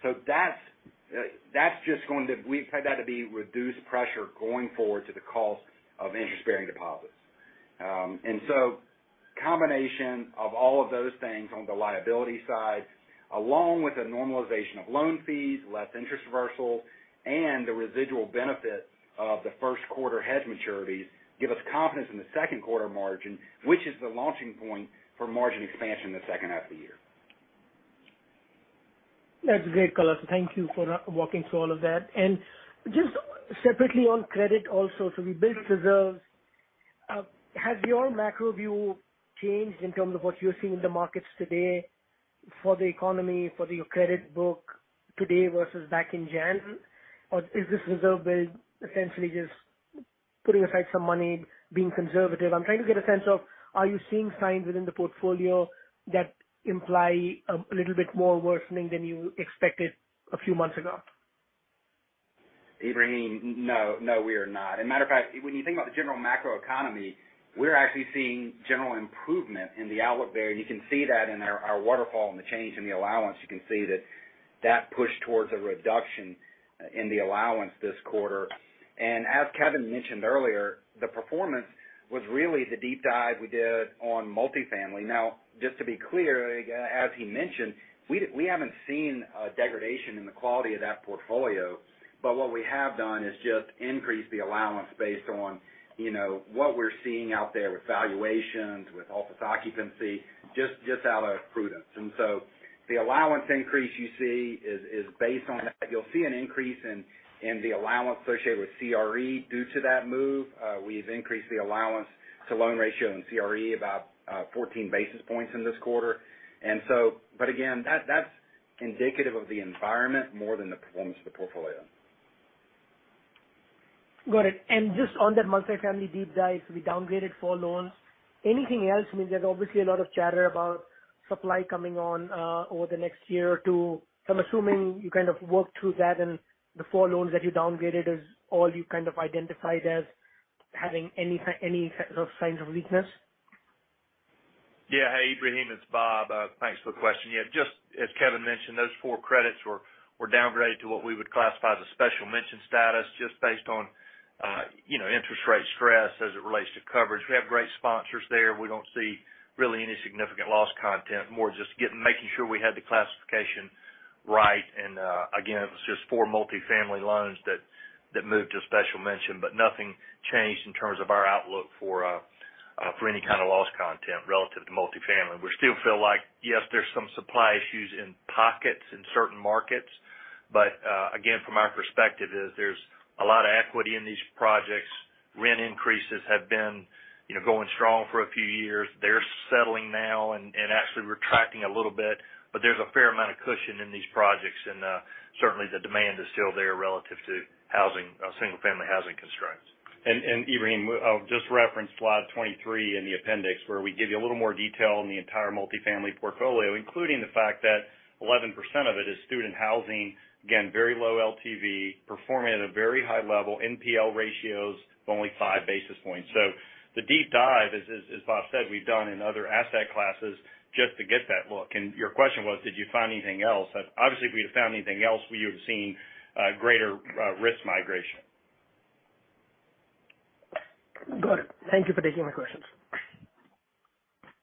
So that's just going to we expect that to be reduced pressure going forward to the costs of interest bearing deposits. And so combination of all of those things on the liability side, along with a normalization of loan fees, less interest reversals, and the residual benefit of the first quarter hedge maturities give us confidence in the second quarter margin, which is the launching point for margin expansion the second half of the year. That's great, color. Thank you for walking through all of that. Just separately on credit also, so we built reserves. Has your macro view changed in terms of what you're seeing in the markets today for the economy, for your credit book today versus back in January? Or is this reserve build essentially just putting aside some money, being conservative? I'm trying to get a sense of, are you seeing signs within the portfolio that imply a little bit more worsening than you expected a few months ago? Ebrahim, no, no, we are not. As a matter of fact, when you think about the general macroeconomy, we're actually seeing general improvement in the outlook there. And you can see that in our waterfall and the change in the allowance. You can see that that push towards a reduction in the allowance this quarter. And as Kevin mentioned earlier, the performance was really the deep dive we did on multifamily. Now, just to be clear, as he mentioned, we haven't seen a degradation in the quality of that portfolio. But what we have done is just increase the allowance based on what we're seeing out there with valuations, with office occupancy, just out of prudence. And so the allowance increase you see is based on that. You'll see an increase in the allowance associated with CRE due to that move. We've increased the allowance to loan ratio in CRE about 14 basis points in this quarter. But again, that's indicative of the environment more than the performance of the portfolio. Got it. And just on that multifamily deep dive, so we downgraded 4 loans. Anything else? I mean, there's obviously a lot of chatter about supply coming on over the next year or 2. I'm assuming you kind of worked through that, and the 4 loans that you downgraded is all you kind of identified as having any signs of weakness? Yeah, hey, Ebrahim, it's Bob. Thanks for the question. Yeah, just as Kevin mentioned, those four credits were downgraded to what we would classify as a special mention status just based on interest rate stress as it relates to coverage. We have great sponsors there. We don't see really any significant loss content, more just making sure we had the classification right. And again, it was just four multifamily loans that moved to special mention, but nothing changed in terms of our outlook for any kind of loss content relative to multifamily. We still feel like, yes, there's some supply issues in pockets in certain markets. But again, from our perspective, there's a lot of equity in these projects. Rent increases have been going strong for a few years. They're settling now and actually retracting a little bit. But there's a fair amount of cushion in these projects. Certainly, the demand is still there relative to single-family housing constraints. Ebrahim, I'll just reference slide 23 in the appendix where we give you a little more detail in the entire multifamily portfolio, including the fact that 11% of it is student housing, again, very low LTV, performing at a very high level, NPL ratios of only five basis points. So the deep dive, as Bob said, we've done in other asset classes just to get that look. Your question was, did you find anything else? Obviously, if we had found anything else, we would have seen greater risk migration. Got it. Thank you for taking my questions.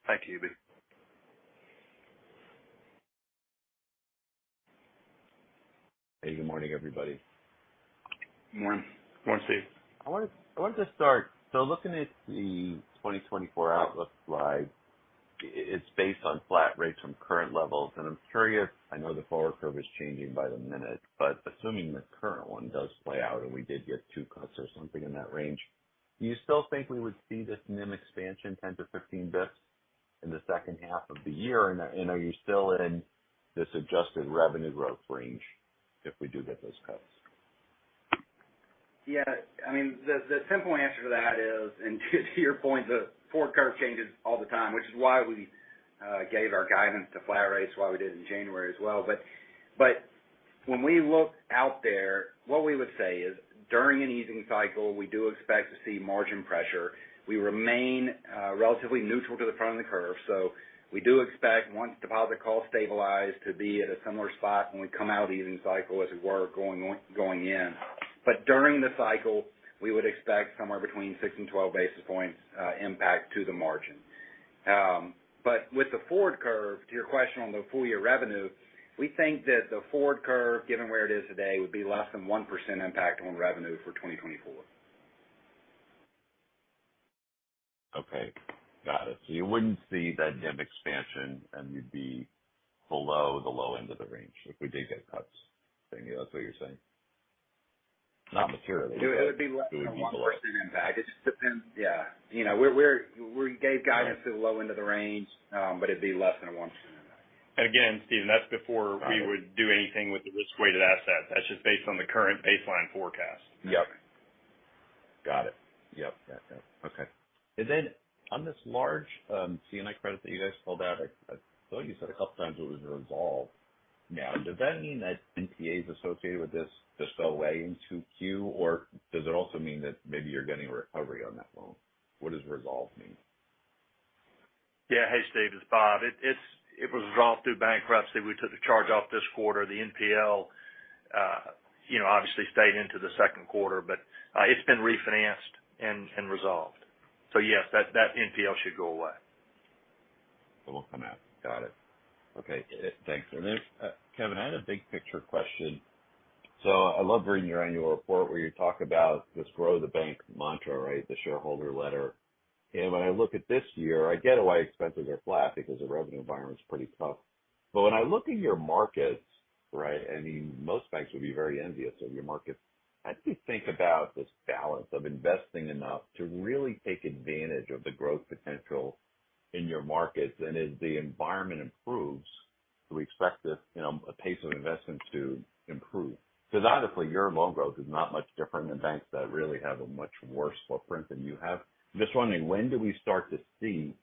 Thank you, Ebi. Hey, good morning, everybody. Morning. Morning, Steve. I wanted to start. So looking at the 2024 outlook slide, it's based on flat rates from current levels. And I'm curious, I know the forward curve is changing by the minute, but assuming the current one does play out and we did get two cuts or something in that range, do you still think we would see this NIM expansion, 10-15 bps, in the second half of the year? And are you still in this adjusted revenue growth range if we do get those cuts? Yeah, I mean, the simple answer to that is, and to your point, the forward curve changes all the time, which is why we gave our guidance to flat rates, why we did it in January as well. But when we look out there, what we would say is during an easing cycle, we do expect to see margin pressure. We remain relatively neutral to the front of the curve. So we do expect once deposit calls stabilize to be at a similar spot when we come out of the easing cycle as we were going in. But during the cycle, we would expect somewhere between 6 and 12 basis points impact to the margin. But with the forward curve, to your question on the full-year revenue, we think that the forward curve, given where it is today, would be less than 1% impact on revenue for 2024. Okay, got it. So you wouldn't see that NIM expansion, and you'd be below the low end of the range if we did get cuts. That's what you're saying? Not materially. It would be less than 1% impact. It just depends. Yeah. We gave guidance to the low end of the range, but it'd be less than 1% impact. And again, Steven, that's before we would do anything with the risk-weighted assets. That's just based on the current baseline forecast. Yep. Got it. Yep, yep, yep. Okay. And then on this large C&I credit that you guys pulled out, I thought you said a couple of times it was resolved now. Does that mean that NPAs associated with this just go away in 2Q? Or does it also mean that maybe you're getting a recovery on that loan? What does resolved mean? Yeah, hey, Steve, it's Bob. It was resolved through bankruptcy. We took the charge off this quarter. The NPL obviously stayed into the second quarter, but it's been refinanced and resolved. So yes, that NPL should go away. It will come out. Got it. Okay, thanks. And then, Kevin, I had a big picture question. So I love reading your annual report where you talk about this grow the bank mantra, right, the shareholder letter. And when I look at this year, I get why expenses are flat because the revenue environment's pretty tough. But when I look in your markets, right, I mean, most banks would be very envious of your markets. How do you think about this balance of investing enough to really take advantage of the growth potential in your markets? And as the environment improves, do we expect a pace of investment to improve? Because honestly, your loan growth is not much different than banks that really have a much worse footprint than you have. I'm just wondering, when do we start to see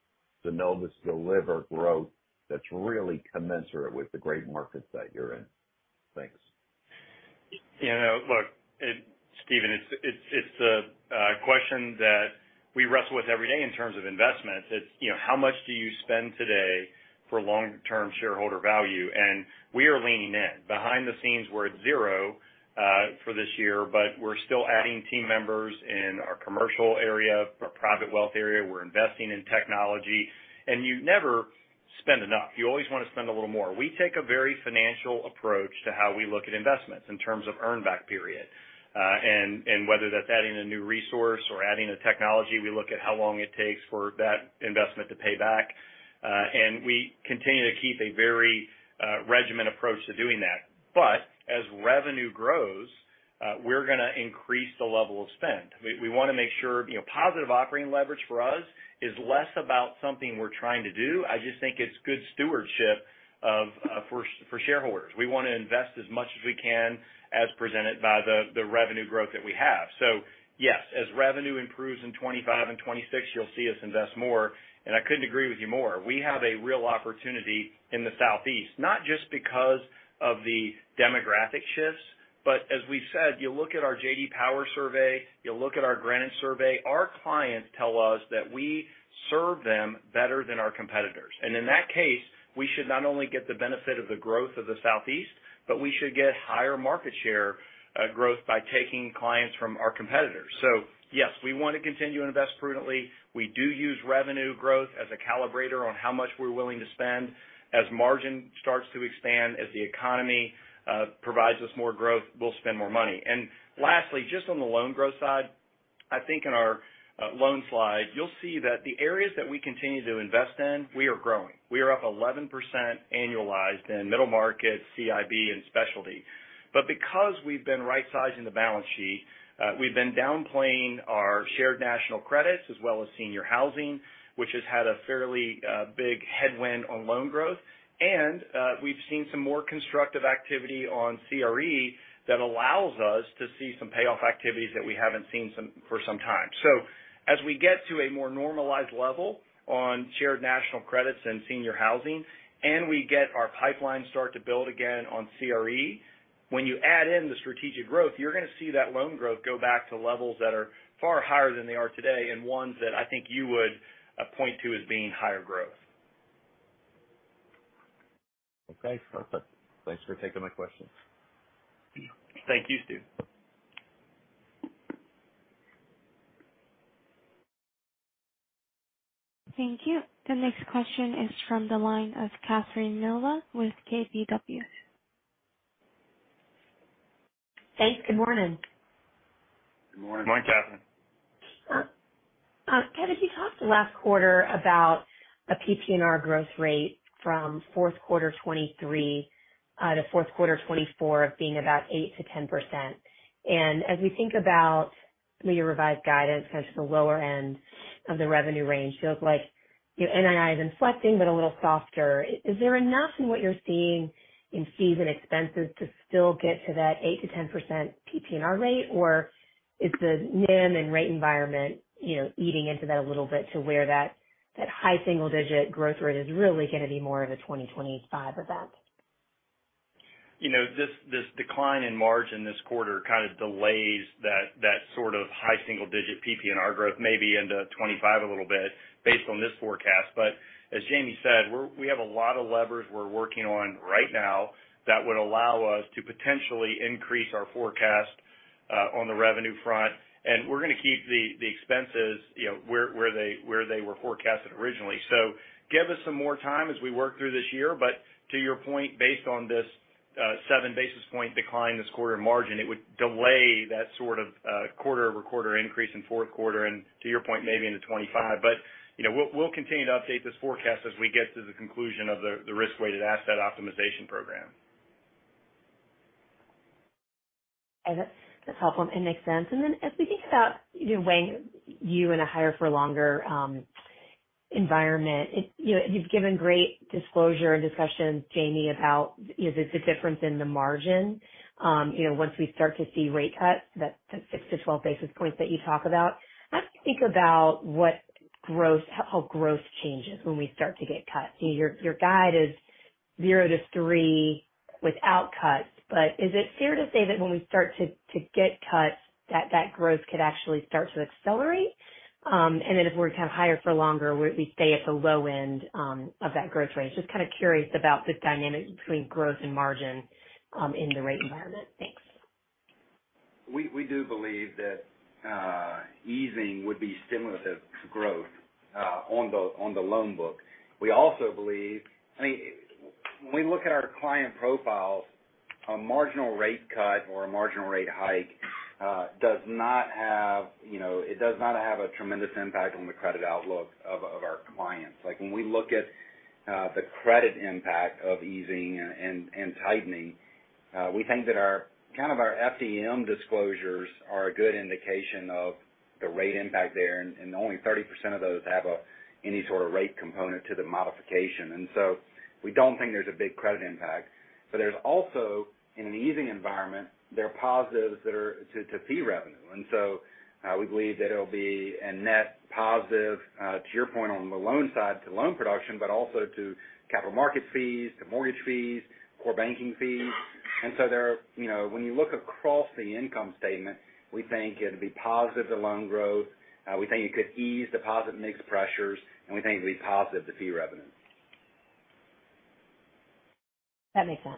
the Synovus deliver growth that's really commensurate with the great markets that you're in? Thanks. Look, Steven, it's a question that we wrestle with every day in terms of investments. It's how much do you spend today for long-term shareholder value? We are leaning in. Behind the scenes, we're at 0 for this year, but we're still adding team members in our commercial area, our private wealth area. We're investing in technology. You never spend enough. You always want to spend a little more. We take a very financial approach to how we look at investments in terms of earnback period. Whether that's adding a new resource or adding a technology, we look at how long it takes for that investment to pay back. We continue to keep a very regimented approach to doing that. But as revenue grows, we're going to increase the level of spend. We want to make sure positive operating leverage for us is less about something we're trying to do. I just think it's good stewardship for shareholders. We want to invest as much as we can as presented by the revenue growth that we have. So yes, as revenue improves in 2025 and 2026, you'll see us invest more. I couldn't agree with you more. We have a real opportunity in the Southeast, not just because of the demographic shifts, but as we've said, you look at our J.D. Power survey, you look at our Greenwich survey, our clients tell us that we serve them better than our competitors. And in that case, we should not only get the benefit of the growth of the Southeast, but we should get higher market share growth by taking clients from our competitors. So yes, we want to continue to invest prudently. We do use revenue growth as a calibrator on how much we're willing to spend. As margin starts to expand, as the economy provides us more growth, we'll spend more money. And lastly, just on the loan growth side, I think in our loan slide, you'll see that the areas that we continue to invest in, we are growing. We are up 11% annualized in Middle Market, CIB, and Specialty. But because we've been right-sizing the balance sheet, we've been downplaying our Shared National Credits as well as senior housing, which has had a fairly big headwind on loan growth. And we've seen some more constructive activity on CRE that allows us to see some payoff activities that we haven't seen for some time. So as we get to a more normalized level on Shared National Credits and senior housing, and we get our pipeline start to build again on CRE, when you add in the strategic growth, you're going to see that loan growth go back to levels that are far higher than they are today and ones that I think you would point to as being higher growth. Okay, perfect. Thanks for taking my questions. Thank you, Steve. Thank you. The next question is from the line of Catherine Mealor with KBW. Thanks. Good morning. Good morning. Good morning, Catherine. Kevin, you talked last quarter about a PPNR growth rate from fourth quarter 2023 to fourth quarter 2024 of being about 8%-10%. And as we think about your revised guidance, kind of to the lower end of the revenue range, feels like NII is inflecting but a little softer. Is there enough in what you're seeing in fees and expenses to still get to that 8%-10% PPNR rate? Or is the NIM and rate environment eating into that a little bit to where that high single-digit growth rate is really going to be more of a 2025 event? This decline in margin this quarter kind of delays that sort of high single-digit PPNR growth, maybe into 2025 a little bit based on this forecast. But as Jamie said, we have a lot of levers we're working on right now that would allow us to potentially increase our forecast on the revenue front. And we're going to keep the expenses where they were forecasted originally. So give us some more time as we work through this year. But to your point, based on this seven basis point decline this quarter in margin, it would delay that sort of quarter-over-quarter increase in fourth quarter and, to your point, maybe into 2025. But we'll continue to update this forecast as we get to the conclusion of the risk-weighted assets optimization program. That's helpful. It makes sense. And then as we think about weighing you in a higher-for-longer environment, you've given great disclosure and discussion, Jamie, about the difference in the margin once we start to see rate cuts, that 6-12 basis points that you talk about. How do you think about how growth changes when we start to get cuts? Your guide is 0-3 without cuts. But is it fair to say that when we start to get cuts, that growth could actually start to accelerate? And then if we're kind of higher for longer, we stay at the low end of that growth range? Just kind of curious about the dynamics between growth and margin in the rate environment. Thanks. We do believe that easing would be stimulative to growth on the loan book. We also believe, I mean, when we look at our client profiles, a marginal rate cut or a marginal rate hike does not have a tremendous impact on the credit outlook of our clients. When we look at the credit impact of easing and tightening, we think that kind of our FDM disclosures are a good indication of the rate impact there. Only 30% of those have any sort of rate component to the modification. So we don't think there's a big credit impact. But there's also, in an easing environment, there are positives to fee revenue. So we believe that it'll be a net positive, to your point, on the loan side to loan production, but also to capital market fees, to mortgage fees, core banking fees. When you look across the income statement, we think it'd be positive to loan growth. We think it could ease deposit mix pressures. We think it'd be positive to fee revenue. That makes sense.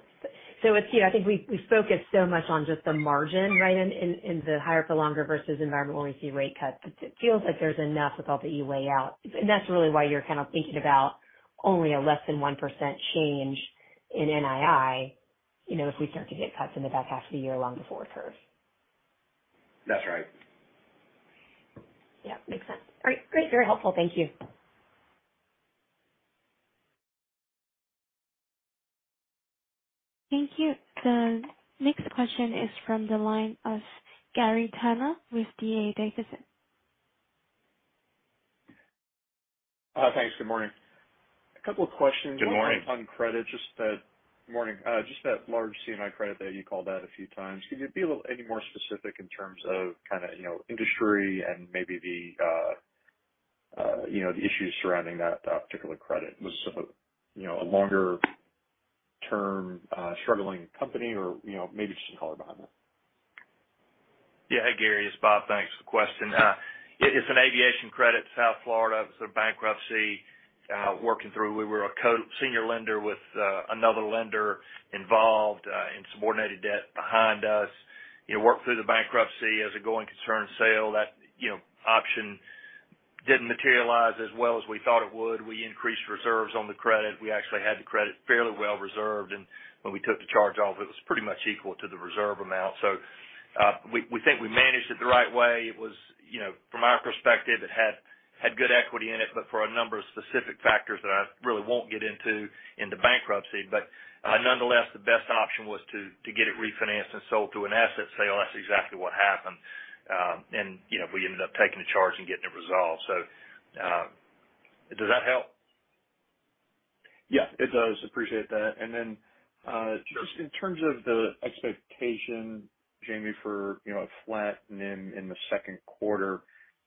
So I think we focus so much on just the margin, right, in the higher-for-longer versus environment where we see rate cuts. It feels like there's enough with all the AOCI way out. And that's really why you're kind of thinking about only a less than 1% change in NII if we start to get cuts in the back half of the year along the forward curve. That's right. Yep, makes sense. All right, great. Very helpful. Thank you. Thank you. The next question is from the line of Gary Tenner with D.A. Davidson. Thanks. Good morning. A couple of questions. Good morning. On credit, just that morning, just that large C&I credit that you called out a few times. Could you be a little any more specific in terms of kind of industry and maybe the issues surrounding that particular credit? Was it a longer-term struggling company or maybe just some color behind that? Yeah, hey, Gary. It's Bob. Thanks for the question. It's an aviation credit, South Florida. It was a bankruptcy working through. We were a senior lender with another lender involved in subordinated debt behind us. Worked through the bankruptcy as a going concern sale. That option didn't materialize as well as we thought it would. We increased reserves on the credit. We actually had the credit fairly well reserved. And when we took the charge off, it was pretty much equal to the reserve amount. So we think we managed it the right way. From our perspective, it had good equity in it, but for a number of specific factors that I really won't get into bankruptcy. But nonetheless, the best option was to get it refinanced and sold through an asset sale. That's exactly what happened. And we ended up taking the charge and getting it resolved. Does that help? Yes, it does. Appreciate that. And then just in terms of the expectation, Jamie, for a flat NIM in the second quarter,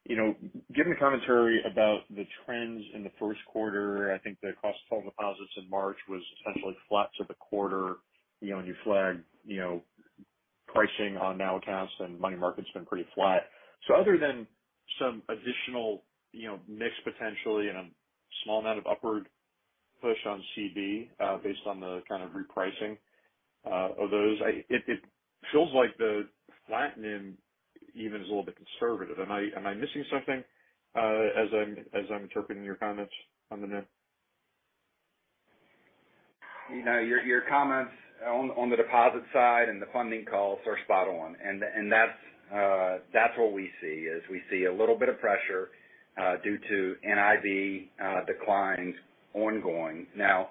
given the commentary about the trends in the first quarter, I think the cost of total deposits in March was essentially flat to the quarter. And you flagged pricing on NOW accounts, and money market's been pretty flat. So other than some additional mix potentially and a small amount of upward push on CDs based on the kind of repricing of those, it feels like the flat NIM even is a little bit conservative. Am I missing something as I'm interpreting your comments on the NIM? Your comments on the deposit side and the funding calls are spot on. And that's what we see, is we see a little bit of pressure due to NIB declines ongoing. Now,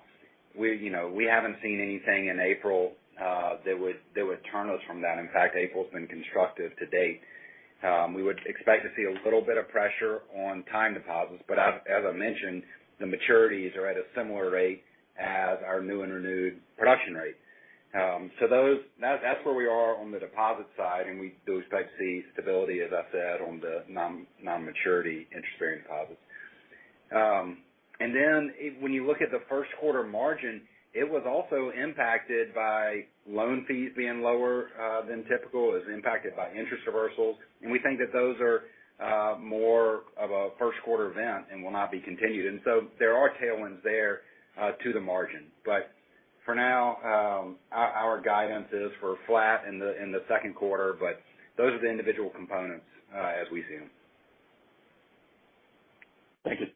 we haven't seen anything in April that would turn us from that. In fact, April's been constructive to date. We would expect to see a little bit of pressure on time deposits. But as I mentioned, the maturities are at a similar rate as our new and renewed production rate. So that's where we are on the deposit side. And we do expect to see stability, as I said, on the non-maturity interest-bearing deposits. And then when you look at the first quarter margin, it was also impacted by loan fees being lower than typical. It was impacted by interest reversals. And we think that those are more of a first-quarter event and will not be continued. And so there are tailwinds there to the margin. But for now, our guidance is for flat in the second quarter. But those are the individual components as we see them. Thank you.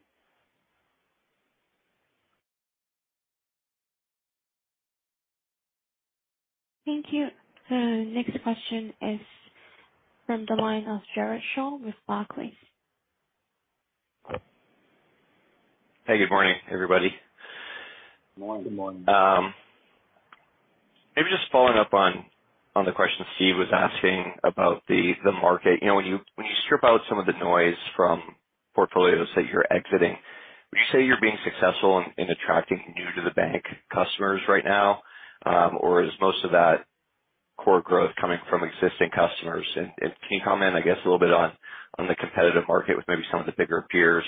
Thank you. The next question is from the line of Jared Shaw with Barclays. Hey, good morning, everybody. Good morning. Maybe just following up on the question Steve was asking about the market. When you strip out some of the noise from portfolios that you're exiting, would you say you're being successful in attracting new-to-the-bank customers right now? Or is most of that core growth coming from existing customers? And can you comment, I guess, a little bit on the competitive market with maybe some of the bigger peers?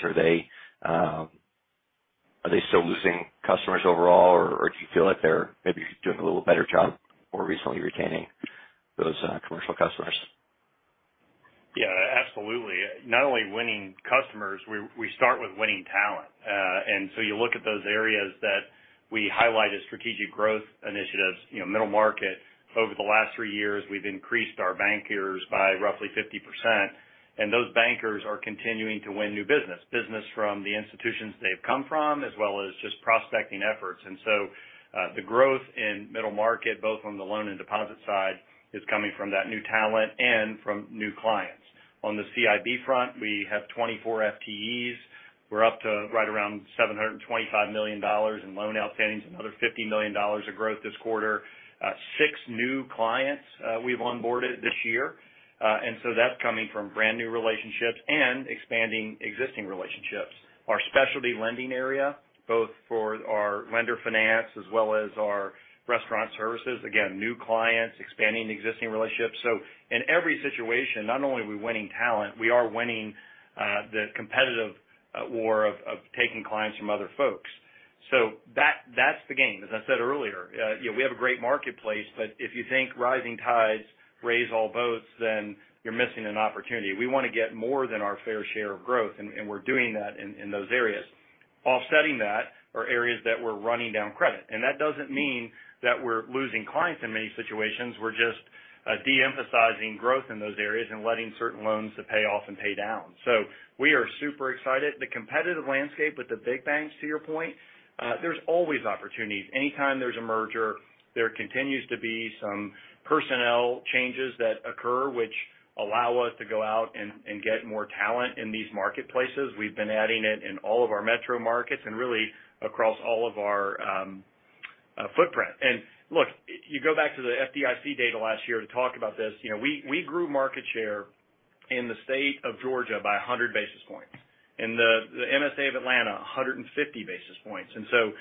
Are they still losing customers overall? Or do you feel like they're maybe doing a little better job more recently retaining those commercial customers? Yeah, absolutely. Not only winning customers, we start with winning talent. So you look at those areas that we highlight as strategic growth initiatives, middle market. Over the last three years, we've increased our bankers by roughly 50%. And those bankers are continuing to win new business, business from the institutions they've come from as well as just prospecting efforts. So the growth in middle market, both on the loan and deposit side, is coming from that new talent and from new clients. On the CIB front, we have 24 FTEs. We're up to right around $725 million in loan outstandings, another $50 million of growth this quarter. Six new clients we've onboarded this year. So that's coming from brand new relationships and expanding existing relationships. Our Specialty lending area, both for our lender finance as well as our restaurant services, again, new clients, expanding existing relationships. In every situation, not only are we winning talent, we are winning the competitive war of taking clients from other folks. That's the game, as I said earlier. We have a great marketplace. But if you think rising tides raise all boats, then you're missing an opportunity. We want to get more than our fair share of growth. We're doing that in those areas. Offsetting that are areas that we're running down credit. That doesn't mean that we're losing clients in many situations. We're just de-emphasizing growth in those areas and letting certain loans pay off and pay down. We are super excited. The competitive landscape with the big banks, to your point, there's always opportunities. Anytime there's a merger, there continues to be some personnel changes that occur, which allow us to go out and get more talent in these marketplaces. We've been adding it in all of our metro markets and really across all of our footprint. Look, you go back to the FDIC data last year to talk about this. We grew market share in the state of Georgia by 100 basis points. The MSA of Atlanta, 150 basis points. So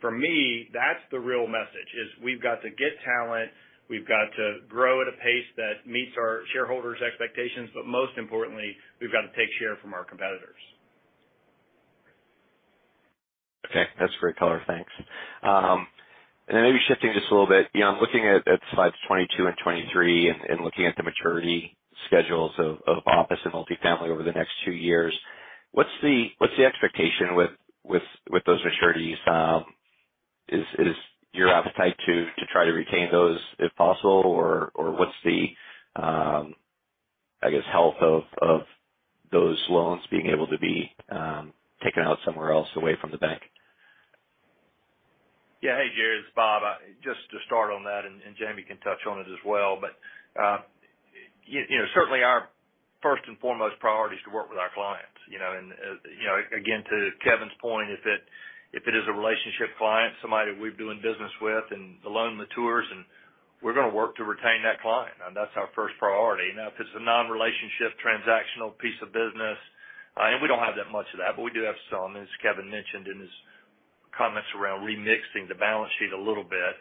for me, that's the real message, is we've got to get talent. We've got to grow at a pace that meets our shareholders' expectations. But most importantly, we've got to take share from our competitors. Okay. That's great color. Thanks. And then maybe shifting just a little bit, I'm looking at slides 22 and 23 and looking at the maturity schedules of office and multifamily over the next two years. What's the expectation with those maturities? Is your appetite to try to retain those, if possible? Or what's the, I guess, health of those loans being able to be taken out somewhere else away from the bank? Yeah, hey, Jared. It's Bob. Just to start on that, and Jamie can touch on it as well. But certainly, our first and foremost priority is to work with our clients. And again, to Kevin's point, if it is a relationship client, somebody that we've doing business with and the loan matures, and we're going to work to retain that client. That's our first priority. Now, if it's a non-relationship transactional piece of business and we don't have that much of that, but we do have some, as Kevin mentioned in his comments around remixing the balance sheet a little bit,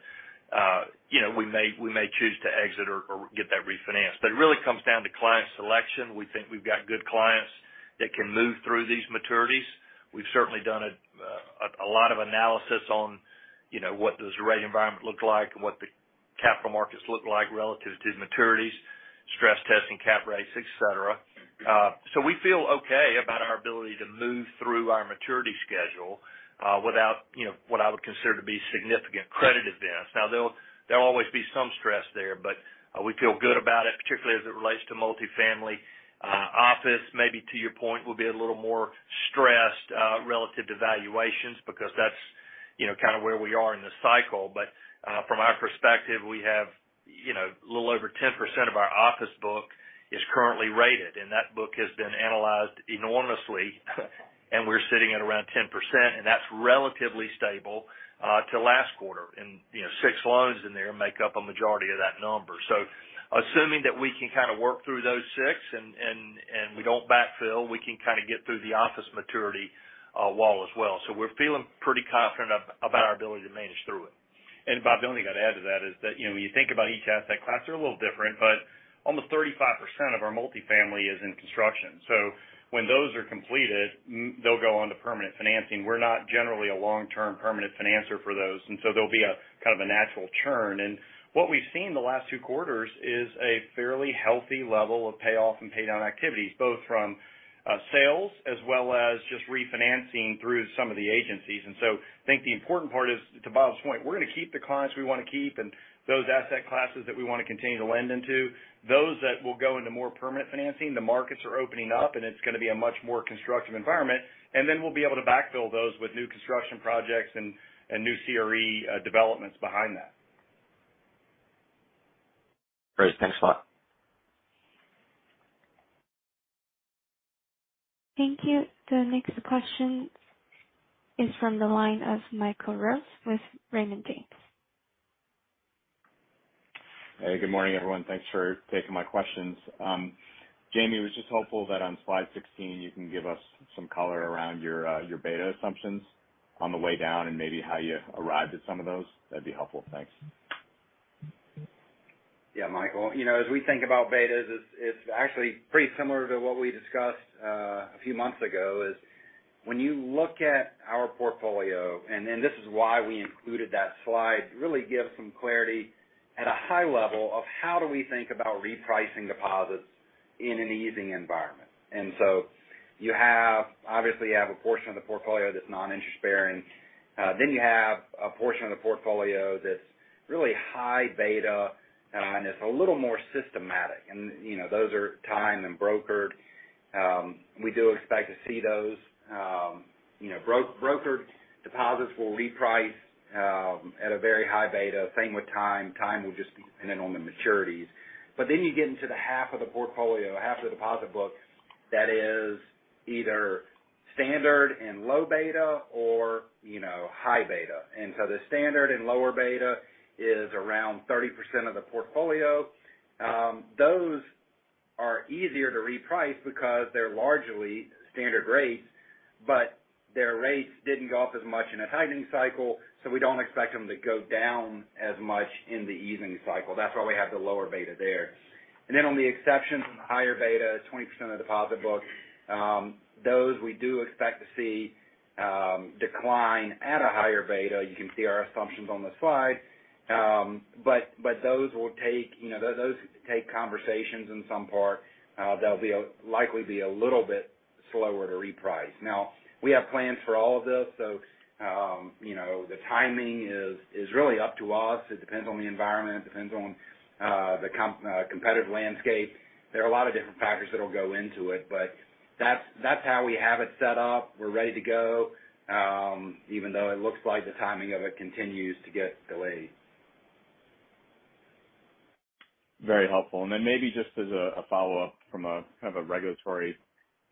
we may choose to exit or get that refinanced. But it really comes down to client selection. We think we've got good clients that can move through these maturities. We've certainly done a lot of analysis on what does the rate environment look like and what the capital markets look like relative to maturities, stress-testing cap rates, etc. So we feel okay about our ability to move through our maturity schedule without what I would consider to be significant credit events. Now, there'll always be some stress there. But we feel good about it, particularly as it relates to multifamily. Office, maybe to your point, will be a little more stressed relative to valuations because that's kind of where we are in the cycle. But from our perspective, we have a little over 10% of our office book is currently rated. And that book has been analyzed enormously. And we're sitting at around 10%. And that's relatively stable to last quarter. And 6 loans in there make up a majority of that number. So assuming that we can kind of work through those six and we don't backfill, we can kind of get through the office maturity wall as well. So we're feeling pretty confident about our ability to manage through it. And Bob, the only thing I'd add to that is that when you think about each asset class, they're a little different. But almost 35% of our multifamily is in construction. So when those are completed, they'll go on to permanent financing. We're not generally a long-term permanent financer for those. And so there'll be kind of a natural churn. And what we've seen the last two quarters is a fairly healthy level of payoff and paydown activities, both from sales as well as just refinancing through some of the agencies. And so I think the important part is, to Bob's point, we're going to keep the clients we want to keep and those asset classes that we want to continue to lend into, those that will go into more permanent financing, the markets are opening up, and it's going to be a much more constructive environment. And then we'll be able to backfill those with new construction projects and new CRE developments behind that. Great. Thanks a lot. Thank you. The next question is from the line of Michael Rose with Raymond James. Hey, good morning, everyone. Thanks for taking my questions. Jamie, we're just hopeful that on slide 16, you can give us some color around your beta assumptions on the way down and maybe how you arrived at some of those. That'd be helpful. Thanks. Yeah, Michael. As we think about betas, it's actually pretty similar to what we discussed a few months ago, is when you look at our portfolio and this is why we included that slide, it really gives some clarity at a high level of how do we think about repricing deposits in an easing environment. And so obviously, you have a portion of the portfolio that's non-interest-bearing. Then you have a portion of the portfolio that's really high beta and it's a little more systematic. And those are time and brokered. We do expect to see those. Brokered deposits will reprice at a very high beta. Same with time. Time will just be dependent on the maturities. But then you get into the half of the portfolio, half of the deposit book, that is either standard and low beta or high beta. The standard and lower beta is around 30% of the portfolio. Those are easier to reprice because they're largely standard rates. Their rates didn't go up as much in a tightening cycle. We don't expect them to go down as much in the easing cycle. That's why we have the lower beta there. On the exceptions, higher beta, 20% of the deposit book, those we do expect to see decline at a higher beta. You can see our assumptions on the slide. Those will take conversations in some part. They'll likely be a little bit slower to reprice. Now, we have plans for all of this. The timing is really up to us. It depends on the environment. It depends on the competitive landscape. There are a lot of different factors that'll go into it. But that's how we have it set up. We're ready to go, even though it looks like the timing of it continues to get delayed. Very helpful. Then maybe just as a follow-up from kind of a regulatory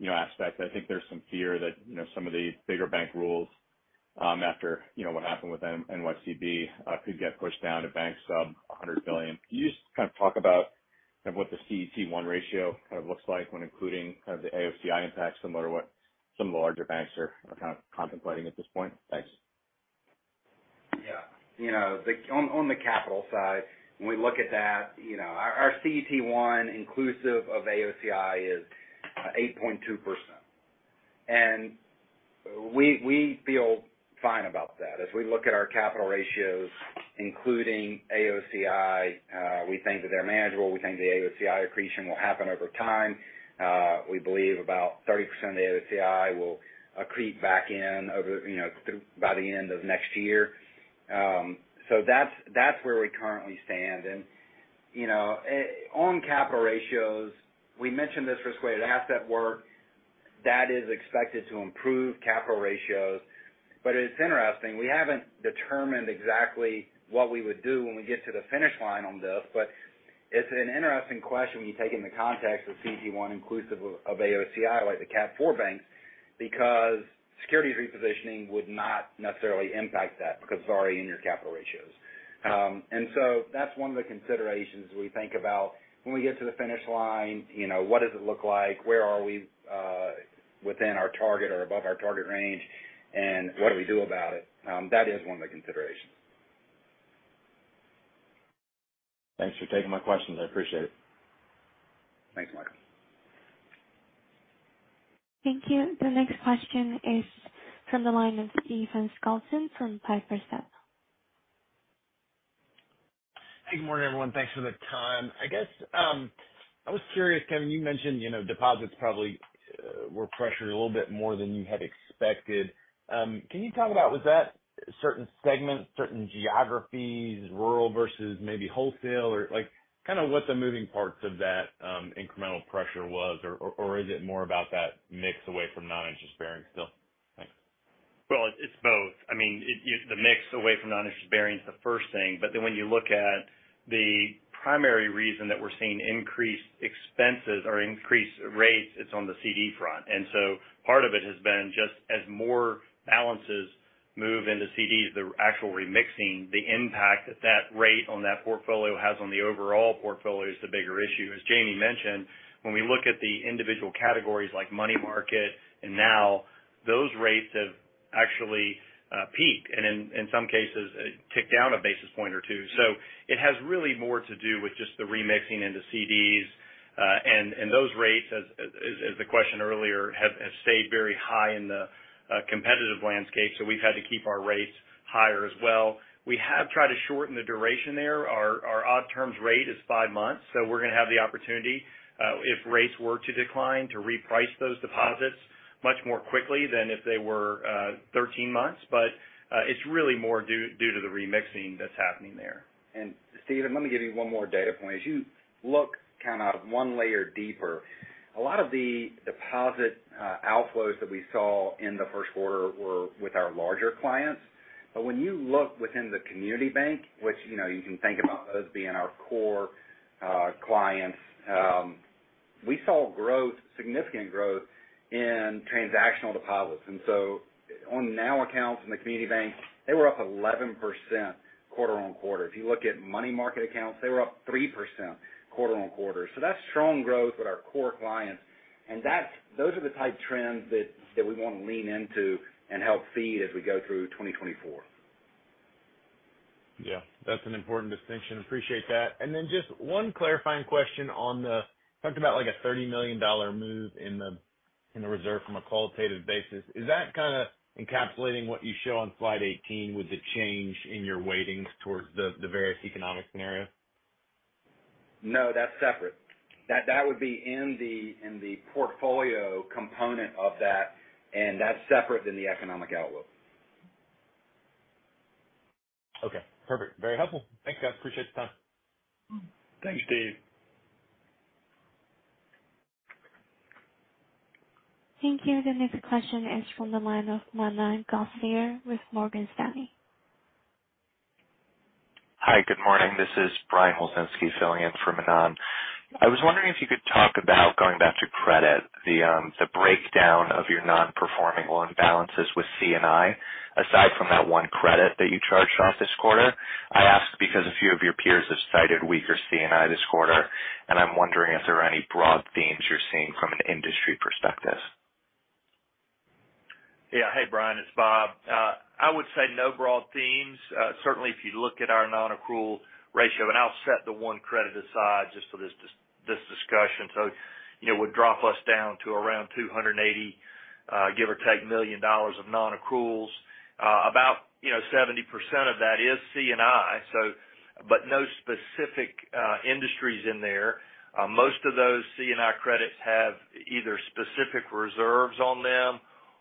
aspect, I think there's some fear that some of the bigger bank rules after what happened with NYCDs could get pushed down to banks sub-$100 billion. Can you just kind of talk about kind of what the CET1 ratio kind of looks like when including kind of the AOCI impact, similar to what some of the larger banks are kind of contemplating at this point? Thanks. Yeah. On the capital side, when we look at that, our CET1 inclusive of AOCI is 8.2%. And we feel fine about that. As we look at our capital ratios, including AOCI, we think that they're manageable. We think the AOCI accretion will happen over time. We believe about 30% of the AOCI will accrete back in by the end of next year. So that's where we currently stand. And on capital ratios, we mentioned this risk-weighted asset work. That is expected to improve capital ratios. But it's interesting. We haven't determined exactly what we would do when we get to the finish line on this. But it's an interesting question when you take it in the context of CET1 inclusive of AOCI, like the Cat 4 banks, because securities repositioning would not necessarily impact that because it's already in your capital ratios. That's one of the considerations we think about when we get to the finish line. What does it look like? Where are we within our target or above our target range? What do we do about it? That is one of the considerations. Thanks for taking my questions. I appreciate it. Thanks, Michael. Thank you. The next question is from the line of Stephen Scouten from Piper Sandler. Hey, good morning, everyone. Thanks for the time. I guess I was curious, Kevin, you mentioned deposits probably were pressured a little bit more than you had expected. Can you talk about was that certain segments, certain geographies, rural versus maybe wholesale, or kind of what the moving parts of that incremental pressure was? Or is it more about that mix away from non-interest-bearing still? Thanks. Well, it's both. I mean, the mix away from non-interest-bearing is the first thing. But then when you look at the primary reason that we're seeing increased expenses or increased rates, it's on the CD front. And so part of it has been just as more balances move into CDs, the actual remixing, the impact that that rate on that portfolio has on the overall portfolio is the bigger issue. As Jamie mentioned, when we look at the individual categories like money market and NOW, those rates have actually peaked and in some cases, ticked down a basis point or two. So it has really more to do with just the remixing into CDs. And those rates, as the question earlier, have stayed very high in the competitive landscape. So we've had to keep our rates higher as well. We have tried to shorten the duration there. Our odd-term duration is 5 months. So we're going to have the opportunity, if rates were to decline, to reprice those deposits much more quickly than if they were 13 months. But it's really more due to the remixing that's happening there. And Stephen, let me give you one more data point. As you look kind of one layer deeper, a lot of the deposit outflows that we saw in the first quarter were with our larger clients. But when you look within the community bank, which you can think about those being our core clients, we saw significant growth in transactional deposits. And so NOW accounts in the community bank, they were up 11% quarter-over-quarter. If you look at money market accounts, they were up 3% quarter-over-quarter. So that's strong growth with our core clients. Those are the type trends that we want to lean into and help feed as we go through 2024. Yeah. That's an important distinction. Appreciate that. And then just one clarifying question on the talked about a $30 million move in the reserve from a qualitative basis. Is that kind of encapsulating what you show on slide 18 with the change in your weightings towards the various economic scenarios? No, that's separate. That would be in the portfolio component of that. That's separate than the economic outlook. Okay. Perfect. Very helpful. Thanks, guys. Appreciate the time. Thanks, Steve. Thank you. The next question is from the line of Manan Gosalia with Morgan Stanley. Hi, good morning. This is Brian Wolzynski filling in from Manan. I was wondering if you could talk about, going back to credit, the breakdown of your non-performing loan balances with C&I, aside from that one credit that you charged off this quarter. I ask because a few of your peers have cited weaker C&I this quarter. I'm wondering if there are any broad themes you're seeing from an industry perspective. Yeah. Hey, Brian. It's Bob. I would say no broad themes. Certainly, if you look at our non-accrual ratio and I'll set the one credit aside just for this discussion. So it would drop us down to around $280 million, give or take, of non-accruals. About 70% of that is C&I, but no specific industries in there. Most of those C&I credits have either specific reserves on them,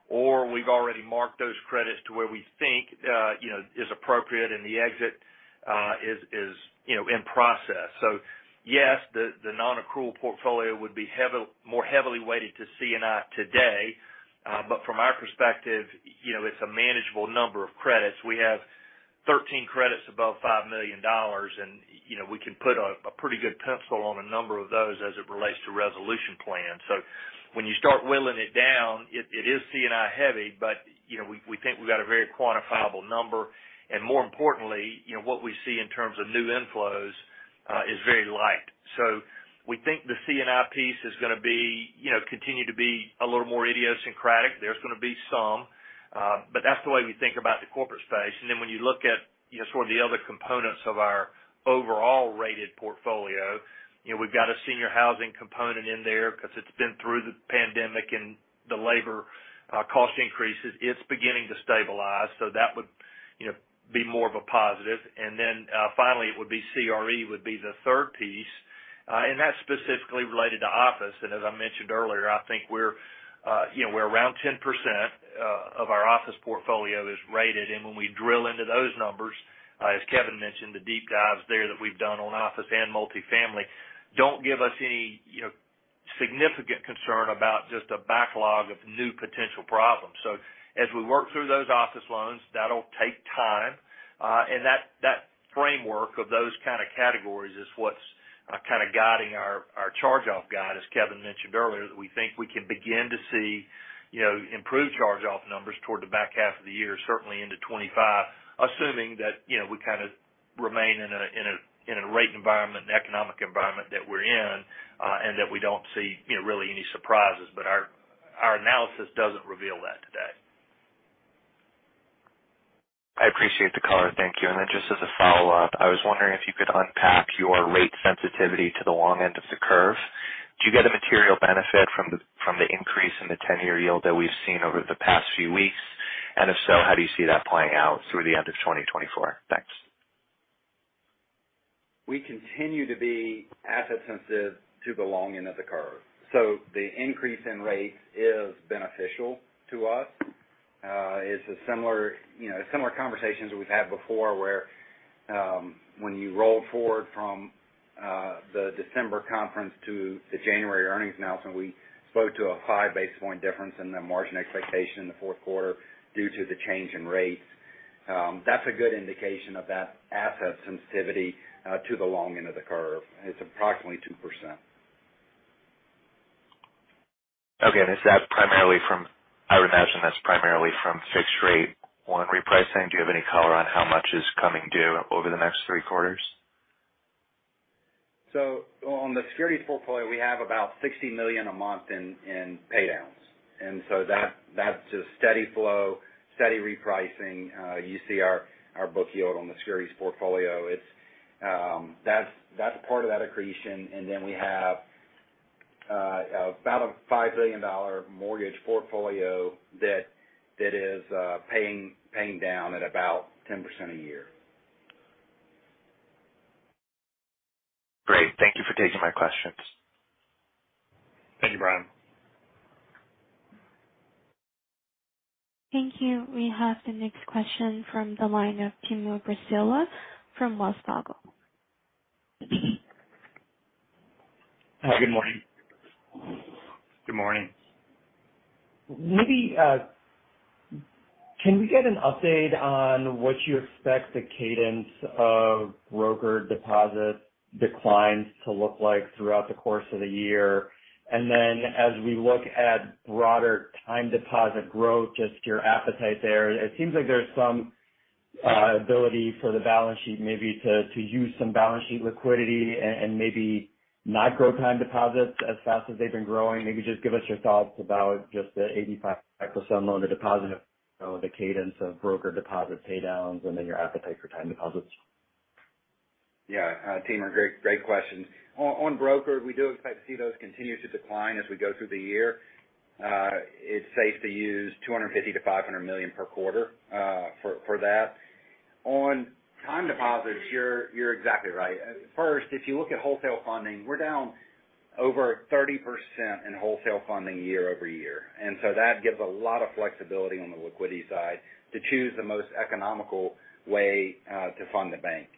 or we've already marked those credits to where we think is appropriate, and the exit is in process. So yes, the non-accrual portfolio would be more heavily weighted to C&I today. But from our perspective, it's a manageable number of credits. We have 13 credits above $5 million. And we can put a pretty good pencil on a number of those as it relates to resolution plans. So when you start whittling it down, it is C&I-heavy. But we think we've got a very quantifiable number. More importantly, what we see in terms of new inflows is very light. So we think the C&I piece is going to continue to be a little more idiosyncratic. There's going to be some. But that's the way we think about the corporate space. Then when you look at sort of the other components of our overall rated portfolio, we've got a senior housing component in there because it's been through the pandemic and the labor cost increases. It's beginning to stabilize. So that would be more of a positive. Then finally, it would be CRE would be the third piece. And that's specifically related to office. And as I mentioned earlier, I think around 10% of our office portfolio is rated. And when we drill into those numbers, as Kevin mentioned, the deep dives there that we've done on office and multifamily don't give us any significant concern about just a backlog of new potential problems. So as we work through those office loans, that'll take time. And that framework of those kind of categories is what's kind of guiding our charge-off guide, as Kevin mentioned earlier, that we think we can begin to see improved charge-off numbers toward the back half of the year, certainly into 2025, assuming that we kind of remain in a rate environment, an economic environment that we're in, and that we don't see really any surprises. But our analysis doesn't reveal that today. I appreciate the color. Thank you. And then just as a follow-up, I was wondering if you could unpack your rate sensitivity to the long end of the curve. Do you get a material benefit from the increase in the 10-year yield that we've seen over the past few weeks? And if so, how do you see that playing out through the end of 2024? Thanks. We continue to be asset-sensitive to the long end of the curve. The increase in rates is beneficial to us. It's a similar conversation that we've had before where when you rolled forward from the December conference to the January earnings announcement, we spoke to a 5 basis point difference in the margin expectation in the fourth quarter due to the change in rates. That's a good indication of that asset sensitivity to the long end of the curve. It's approximately 2%. Okay. Is that primarily from, I would imagine, that's primarily from fixed-rate loan repricing. Do you have any color on how much is coming due over the next three quarters? On the securities portfolio, we have about $60 million a month in paydowns. So that's just steady flow, steady repricing. You see our book yield on the securities portfolio. That's part of that accretion. Then we have about a $5 billion mortgage portfolio that is paying down at about 10% a year. Great. Thank you for taking my questions. Thank you, Brian. Thank you. We have the next question from the line of Timur Braziler from Wells Fargo. Hi, good morning. Good morning. Can we get an update on what you expect the cadence of brokered deposit declines to look like throughout the course of the year? And then as we look at broader time deposit growth, just your appetite there, it seems like there's some ability for the balance sheet maybe to use some balance sheet liquidity and maybe not grow time deposits as fast as they've been growing. Maybe just give us your thoughts about just the 85% loan to deposit, the cadence of brokered deposit paydowns, and then your appetite for time deposits. Yeah, Tim, great questions. On broker, we do expect to see those continue to decline as we go through the year. It's safe to use $250 million-$500 million per quarter for that. On time deposits, you're exactly right. First, if you look at wholesale funding, we're down over 30% in wholesale funding year-over-year. So that gives a lot of flexibility on the liquidity side to choose the most economical way to fund the bank.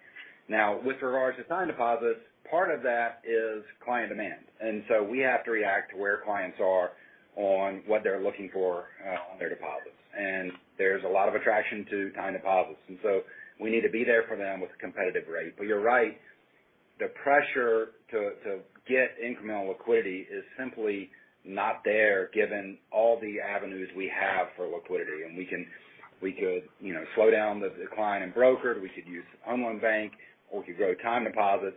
Now, with regards to time deposits, part of that is client demand. So we have to react to where clients are on what they're looking for on their deposits. And there's a lot of attraction to time deposits. So we need to be there for them with a competitive rate. But you're right. The pressure to get incremental liquidity is simply not there given all the avenues we have for liquidity. And we could slow down the decline in broker. We could use Home Loan Bank, or we could grow time deposits.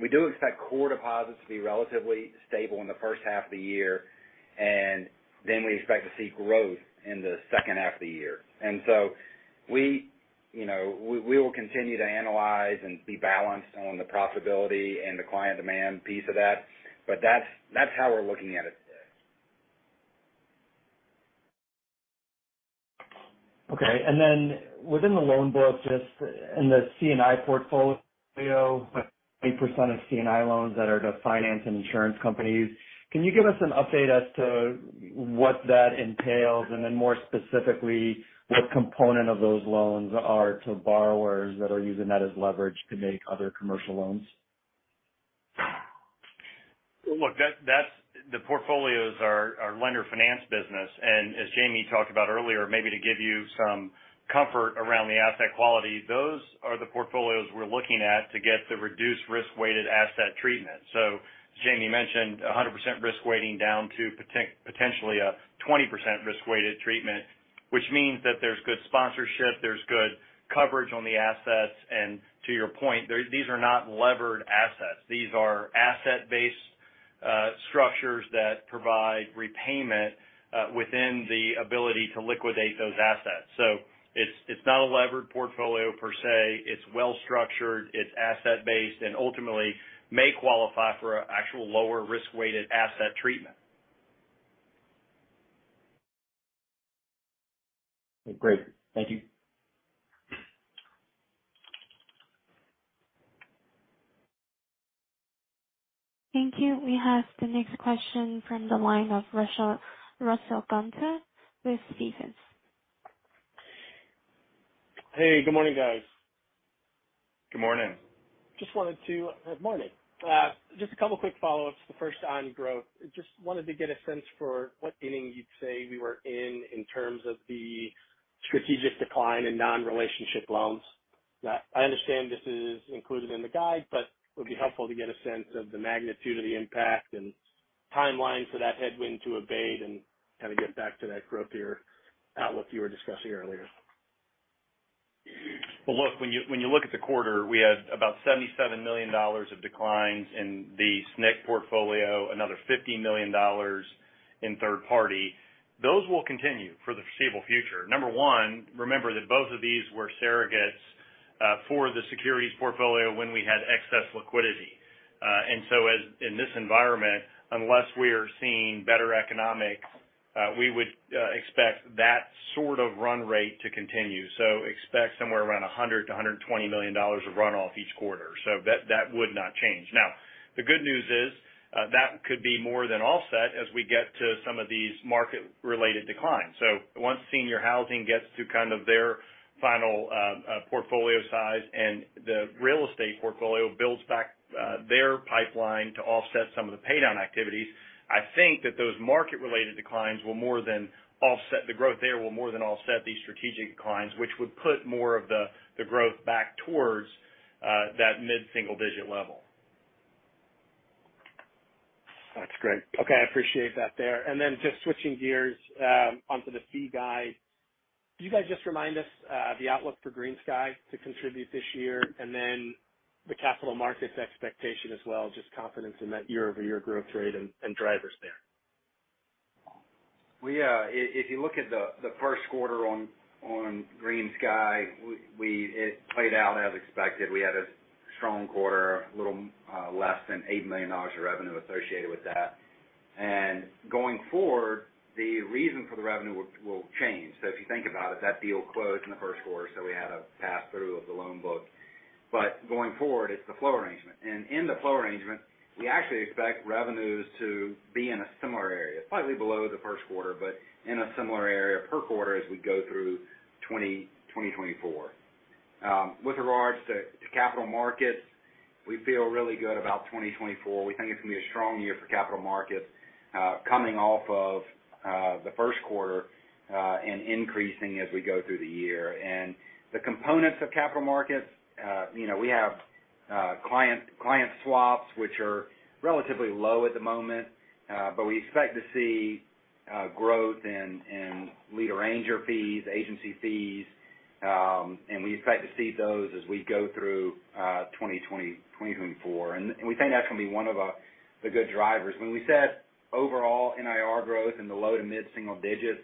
We do expect core deposits to be relatively stable in the first half of the year. And then we expect to see growth in the second half of the year. We will continue to analyze and be balanced on the profitability and the client demand piece of that. That's how we're looking at it today. Okay. And then within the loan book, just in the C&I portfolio, about 20% of C&I loans that are to finance and insurance companies. Can you give us an update as to what that entails? And then more specifically, what component of those loans are to borrowers that are using that as leverage to make other commercial loans? Well, look, the portfolios are lender finance business. And as Jamie talked about earlier, maybe to give you some comfort around the asset quality, those are the portfolios we're looking at to get the reduced-risk-weighted asset treatment. So as Jamie mentioned, 100% risk weighting down to potentially a 20% risk-weighted treatment, which means that there's good sponsorship. There's good coverage on the assets. And to your point, these are not levered assets. These are asset-based structures that provide repayment within the ability to liquidate those assets. So it's not a levered portfolio per se. It's well-structured. It's asset-based and ultimately may qualify for an actual lower-risk-weighted asset treatment. Great. Thank you. Thank you. We have the next question from the line of Russell Gunther with Stephens. Hey, good morning, guys. Good morning. Good morning. Just a couple of quick follow-ups. The first on growth. Just wanted to get a sense for what inning you'd say we were in in terms of the strategic decline in non-relationship loans. I understand this is included in the guide, but it would be helpful to get a sense of the magnitude of the impact and timeline for that headwind to abate and kind of get back to that growthier outlook you were discussing earlier. Well, look, when you look at the quarter, we had about $77 million of declines in the SNC portfolio, another $50 million in third party. Those will continue for the foreseeable future. Number one, remember that both of these were surrogates for the securities portfolio when we had excess liquidity. And so in this environment, unless we are seeing better economics, we would expect that sort of run rate to continue. So expect somewhere around $100 million-$120 million of runoff each quarter. So that would not change. Now, the good news is that could be more than offset as we get to some of these market-related declines. So once senior housing gets to kind of their final portfolio size and the real estate portfolio builds back their pipeline to offset some of the paydown activities, I think that those market-related declines will more than offset the growth there will more than offset these strategic declines, which would put more of the growth back towards that mid-single-digit level. That's great. Okay. I appreciate that there. And then just switching gears onto the fee guide, do you guys just remind us the outlook for GreenSky to contribute this year and then the capital markets expectation as well, just confidence in that year-over-year growth rate and drivers there? Yeah. If you look at the first quarter on GreenSky, it played out as expected. We had a strong quarter, a little less than $8 million of revenue associated with that. And going forward, the reason for the revenue will change. So if you think about it, that deal closed in the first quarter. So we had a pass-through of the loan book. But going forward, it's the flow arrangement. And in the flow arrangement, we actually expect revenues to be in a similar area, slightly below the first quarter, but in a similar area per quarter as we go through 2024. With regards to capital markets, we feel really good about 2024. We think it's going to be a strong year for capital markets coming off of the first quarter and increasing as we go through the year. The components of capital markets, we have client swaps, which are relatively low at the moment. But we expect to see growth in underwriting fees, agency fees. And we expect to see those as we go through 2024. And we think that's going to be one of the good drivers. When we said overall NIR growth in the low to mid-single digits,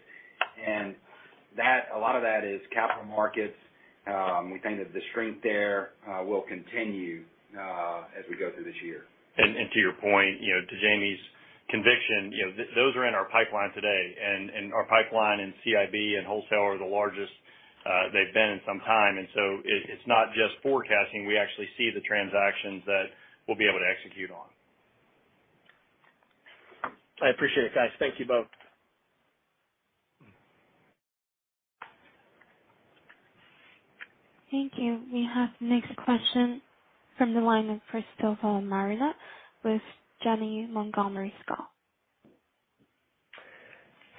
a lot of that is capital markets. We think that the strength there will continue as we go through this year. And to your point, to Jamie's conviction, those are in our pipeline today. And our pipeline in CIB and wholesale are the largest they've been in some time. And so it's not just forecasting. We actually see the transactions that we'll be able to execute on. I appreciate it, guys. Thank you both. Thank you. We have the next question from the line of Christopher Marinac with Janney Montgomery Scott.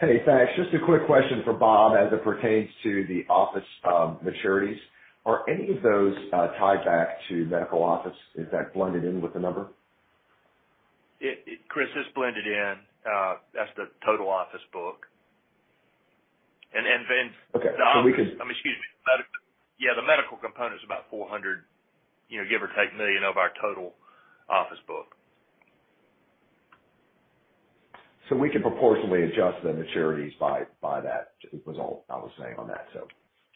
Hey, thanks. Just a quick question for Bob as it pertains to the office maturities. Are any of those tied back to medical office? Is that blended in with the number? Chris, it's blended in. That's the total office book. And then the office. Okay. So we could. I mean, excuse me. Yeah, the medical component is about $400 million, give or take a million of our total office book. So we could proportionally adjust the maturities by that. It was all I was saying on that, so.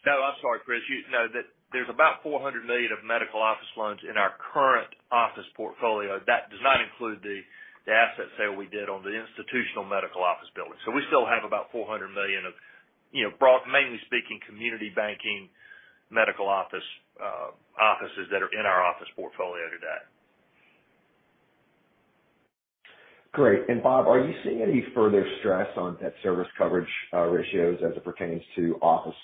No, I'm sorry, Chris. No, there's about $400 million of medical office loans in our current office portfolio. That does not include the asset sale we did on the institutional medical office building. So we still have about $400 million of mainly speaking community banking medical offices that are in our office portfolio today. Great. And Bob, are you seeing any further stress on debt service coverage ratios as it pertains to office,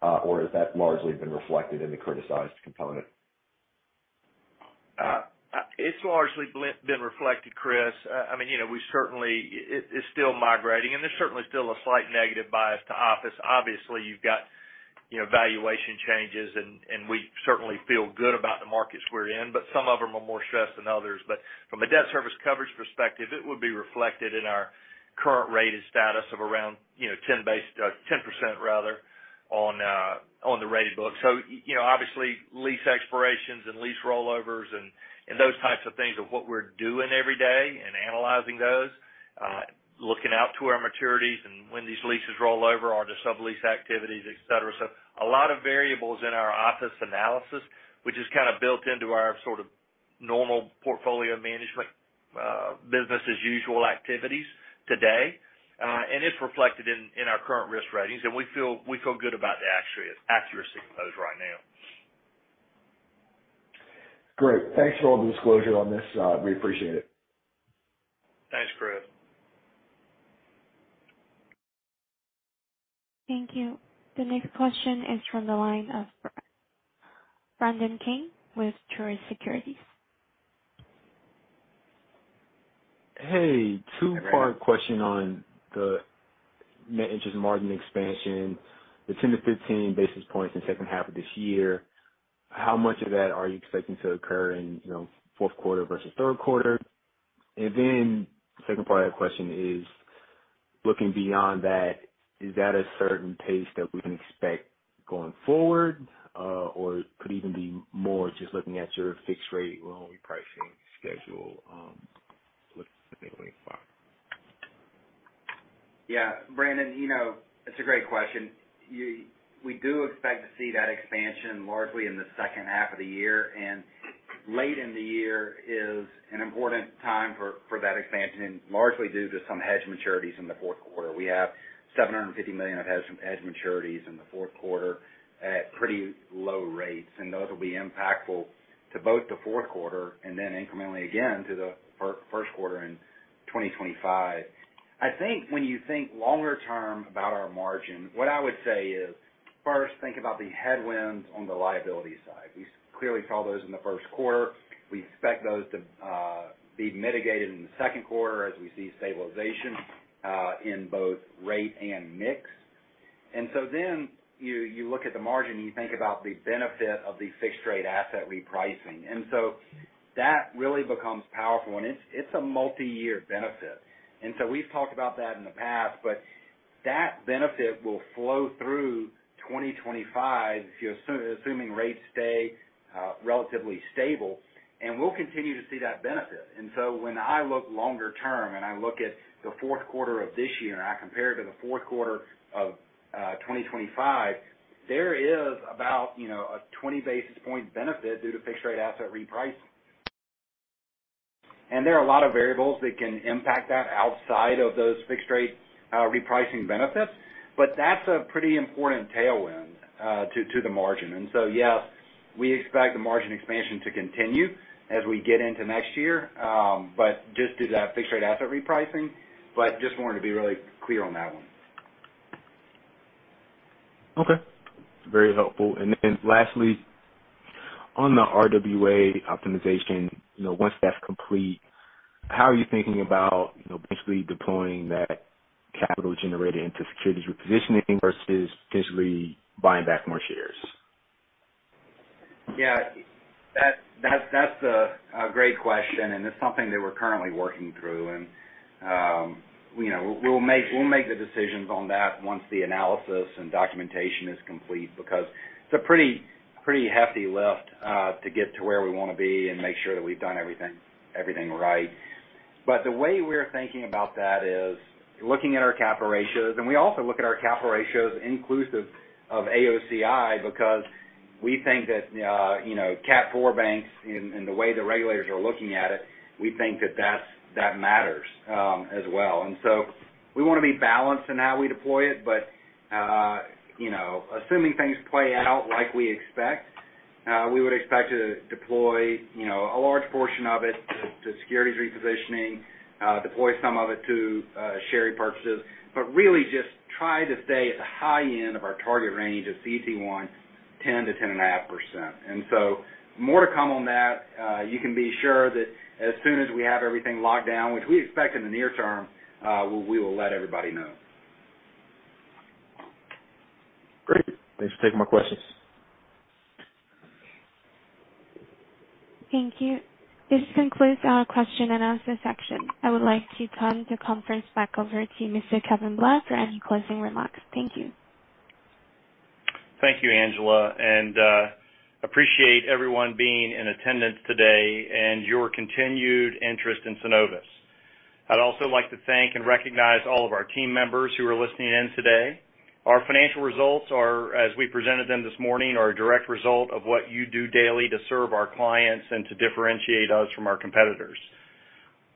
or has that largely been reflected in the criticized component? It's largely been reflected, Chris. I mean, we certainly it's still migrating. There's certainly still a slight negative bias to office. Obviously, you've got valuation changes. We certainly feel good about the markets we're in. But some of them are more stressed than others. From a debt service coverage perspective, it would be reflected in our current rated status of around 10% rather than on the rated book. So obviously, lease expirations and lease rollovers and those types of things of what we're doing every day and analyzing those, looking out to our maturities and when these leases roll over, our sublease activities, etc. A lot of variables in our office analysis, which is kind of built into our sort of normal portfolio management business-as-usual activities today. It's reflected in our current risk ratings. We feel good about the accuracy of those right now. Great. Thanks for all the disclosure on this. We appreciate it. Thanks, Chris. Thank you. The next question is from the line of Brandon King with Truist Securities. Hey, two-part question on the interest margin expansion, the 10-15 basis points in second half of this year. How much of that are you expecting to occur in fourth quarter versus third quarter? And then second part of that question is looking beyond that, is that a certain pace that we can expect going forward? Or it could even be more just looking at your fixed-rate loan repricing schedule looking at 2025? Yeah, Brandon, it's a great question. We do expect to see that expansion largely in the second half of the year. Late in the year is an important time for that expansion largely due to some hedge maturities in the fourth quarter. We have $750 million of hedge maturities in the fourth quarter at pretty low rates. Those will be impactful to both the fourth quarter and then incrementally again to the first quarter in 2025. I think when you think longer-term about our margin, what I would say is first, think about the headwinds on the liability side. We clearly saw those in the first quarter. We expect those to be mitigated in the second quarter as we see stabilization in both rate and mix. So then you look at the margin, and you think about the benefit of the fixed-rate asset repricing. That really becomes powerful. It's a multi-year benefit. We've talked about that in the past. But that benefit will flow through 2025 assuming rates stay relatively stable. We'll continue to see that benefit. When I look longer-term and I look at the fourth quarter of this year and I compare it to the fourth quarter of 2025, there is about a 20 basis point benefit due to fixed-rate asset repricing. There are a lot of variables that can impact that outside of those fixed-rate repricing benefits. But that's a pretty important tailwind to the margin. Yes, we expect the margin expansion to continue as we get into next year just due to that fixed-rate asset repricing. But just wanted to be really clear on that one. Okay. Very helpful. And then lastly, on the RWA optimization, once that's complete, how are you thinking about basically deploying that capital generated into securities repositioning versus potentially buying back more shares? Yeah, that's a great question. And it's something that we're currently working through. And we'll make the decisions on that once the analysis and documentation is complete because it's a pretty hefty lift to get to where we want to be and make sure that we've done everything right. But the way we're thinking about that is looking at our capital ratios. And we also look at our capital ratios inclusive of AOCI because we think that Cat 4 banks. And the way the regulators are looking at it, we think that that matters as well. And so we want to be balanced in how we deploy it. But assuming things play out like we expect, we would expect to deploy a large portion of it to securities repositioning, deploy some of it to share repurchases, but really just try to stay at the high end of our target range of CET1, 10%-10.5%. So more to come on that. You can be sure that as soon as we have everything locked down, which we expect in the near term, we will let everybody know. Great. Thanks for taking my questions. Thank you. This concludes our question and answer section. I would like to turn the conference back over to Mr. Kevin Blair for any closing remarks. Thank you. Thank you, Angela. And appreciate everyone being in attendance today and your continued interest in Synovus. I'd also like to thank and recognize all of our team members who are listening in today. Our financial results, as we presented them this morning, are a direct result of what you do daily to serve our clients and to differentiate us from our competitors.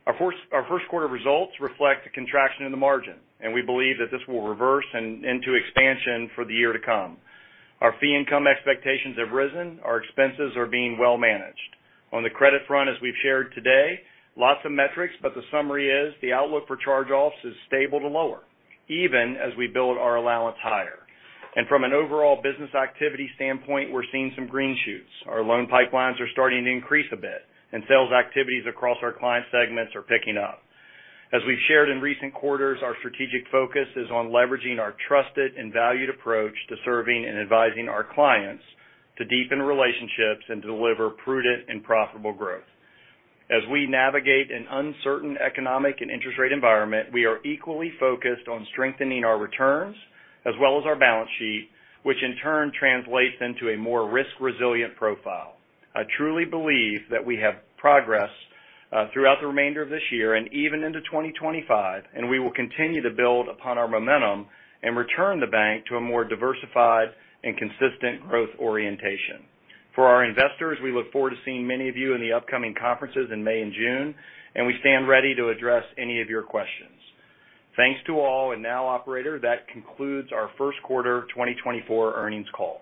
Our first quarter results reflect a contraction in the margin. We believe that this will reverse and into expansion for the year to come. Our fee income expectations have risen. Our expenses are being well-managed. On the credit front, as we've shared today, lots of metrics. But the summary is the outlook for charge-offs is stable to lower even as we build our allowance higher. From an overall business activity standpoint, we're seeing some green shoots. Our loan pipelines are starting to increase a bit. Sales activities across our client segments are picking up. As we've shared in recent quarters, our strategic focus is on leveraging our trusted and valued approach to serving and advising our clients to deepen relationships and deliver prudent and profitable growth. As we navigate an uncertain economic and interest-rate environment, we are equally focused on strengthening our returns as well as our balance sheet, which in turn translates into a more risk-resilient profile. I truly believe that we have progress throughout the remainder of this year and even into 2025. We will continue to build upon our momentum and return the bank to a more diversified and consistent growth orientation. For our investors, we look forward to seeing many of you in the upcoming conferences in May and June. We stand ready to address any of your questions. Thanks to all. Now, operator, that concludes our first quarter 2024 earnings call.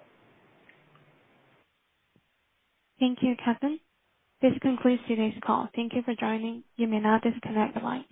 Thank you, Kevin. This concludes today's call. Thank you for joining. You may now disconnect the line.